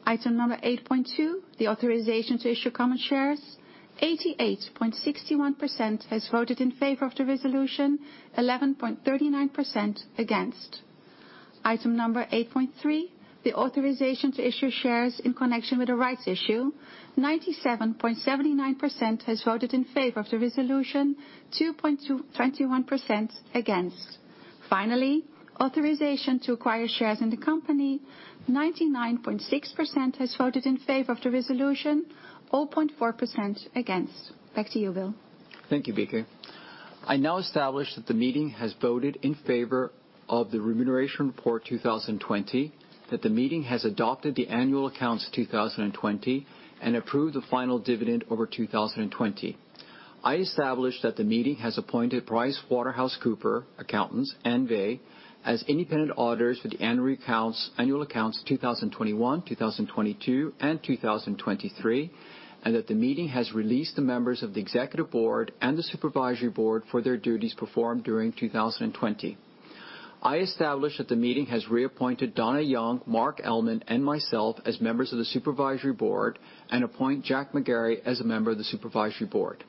Item number 6.2, the reappointment of Mr. Connelly, 98.72% has voted in favor of the resolution, 1.28% against. Item number 6.3, the reappointment of Mr. Ellman, 99.07% has voted in favor of the resolution, 0.93% against. Item number 6.4, the appointment of Mr. McGarry, 99.2% has voted in favor of the resolution, 0.8% against. Item number 7.1, the reappointment of Mr. Rider, 99.8% has voted in favor of the resolution, 0.2% against. That concluding. Thank you, Bieke. Yeah. Because we arrive at number 8.1, agenda item 8.1, the cancellation of common shares, 99.89% has voted in favor of the resolution, 0.11% against. Item number 8.2, the authorization to issue common shares, 88.61% has voted in favor of the resolution, 11.39% against. Item number 8.3, the authorization to issue shares in connection with the rights issue, 97.79% has voted in favor of the resolution, 2.21% against. Finally, authorization to acquire shares in the company, 99.6% has voted in favor of the resolution, 0.4% against. Back to you, Bill. Thank you, Bieke. I now establish that the meeting has voted in favor of the remuneration report 2020, that the meeting has adopted the annual accounts 2020 and approved the final dividend over 2020. I establish that the meeting has appointed PricewaterhouseCoopers Accountants N.V. as independent auditors for the annual accounts 2021, 2022, and 2023, and that the meeting has released the members of the Executive Board and the Supervisory Board for their duties performed during 2020. I establish that the meeting has reappointed Dona Young, Mark Ellman, and myself as members of the Supervisory Board and appoint Jack McGarry as a member of the Supervisory Board.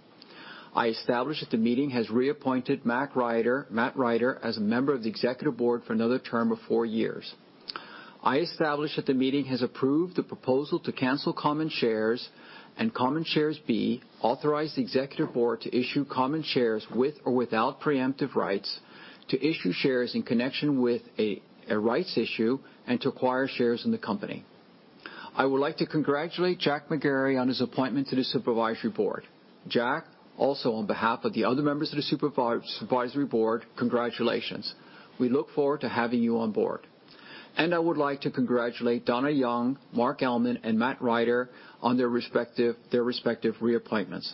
I establish that the meeting has reappointed Matt Rider as a member of the Executive Board for another term of four years. I establish that the meeting has approved the proposal to cancel common shares and common shares B, authorized the executive board to issue common shares with or without preemptive rights, to issue shares in connection with a rights issue, and to acquire shares in the company. I would like to congratulate Jack McGarry on his appointment to the supervisory board. Jack, also on behalf of the other members of the supervisory board, congratulations. We look forward to having you on board. I would like to congratulate Dona Young, Mark Ellman, and Matt Rider on their respective reappointments.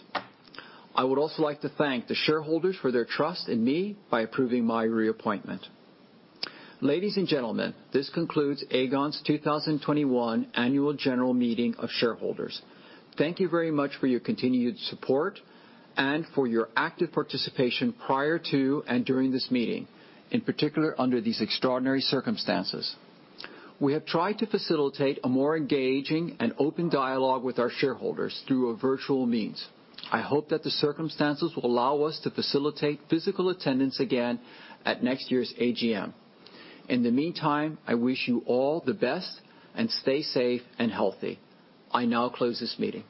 I would also like to thank the shareholders for their trust in me by approving my reappointment. Ladies and gentlemen, this concludes Aegon's 2021 Annual General Meeting of Shareholders. Thank you very much for your continued support and for your active participation prior to and during this meeting, in particular under these extraordinary circumstances. We have tried to facilitate a more engaging and open dialogue with our shareholders through a virtual means. I hope that the circumstances will allow us to facilitate physical attendance again at next year's AGM. In the meantime, I wish you all the best, and stay safe and healthy. I now close this meeting.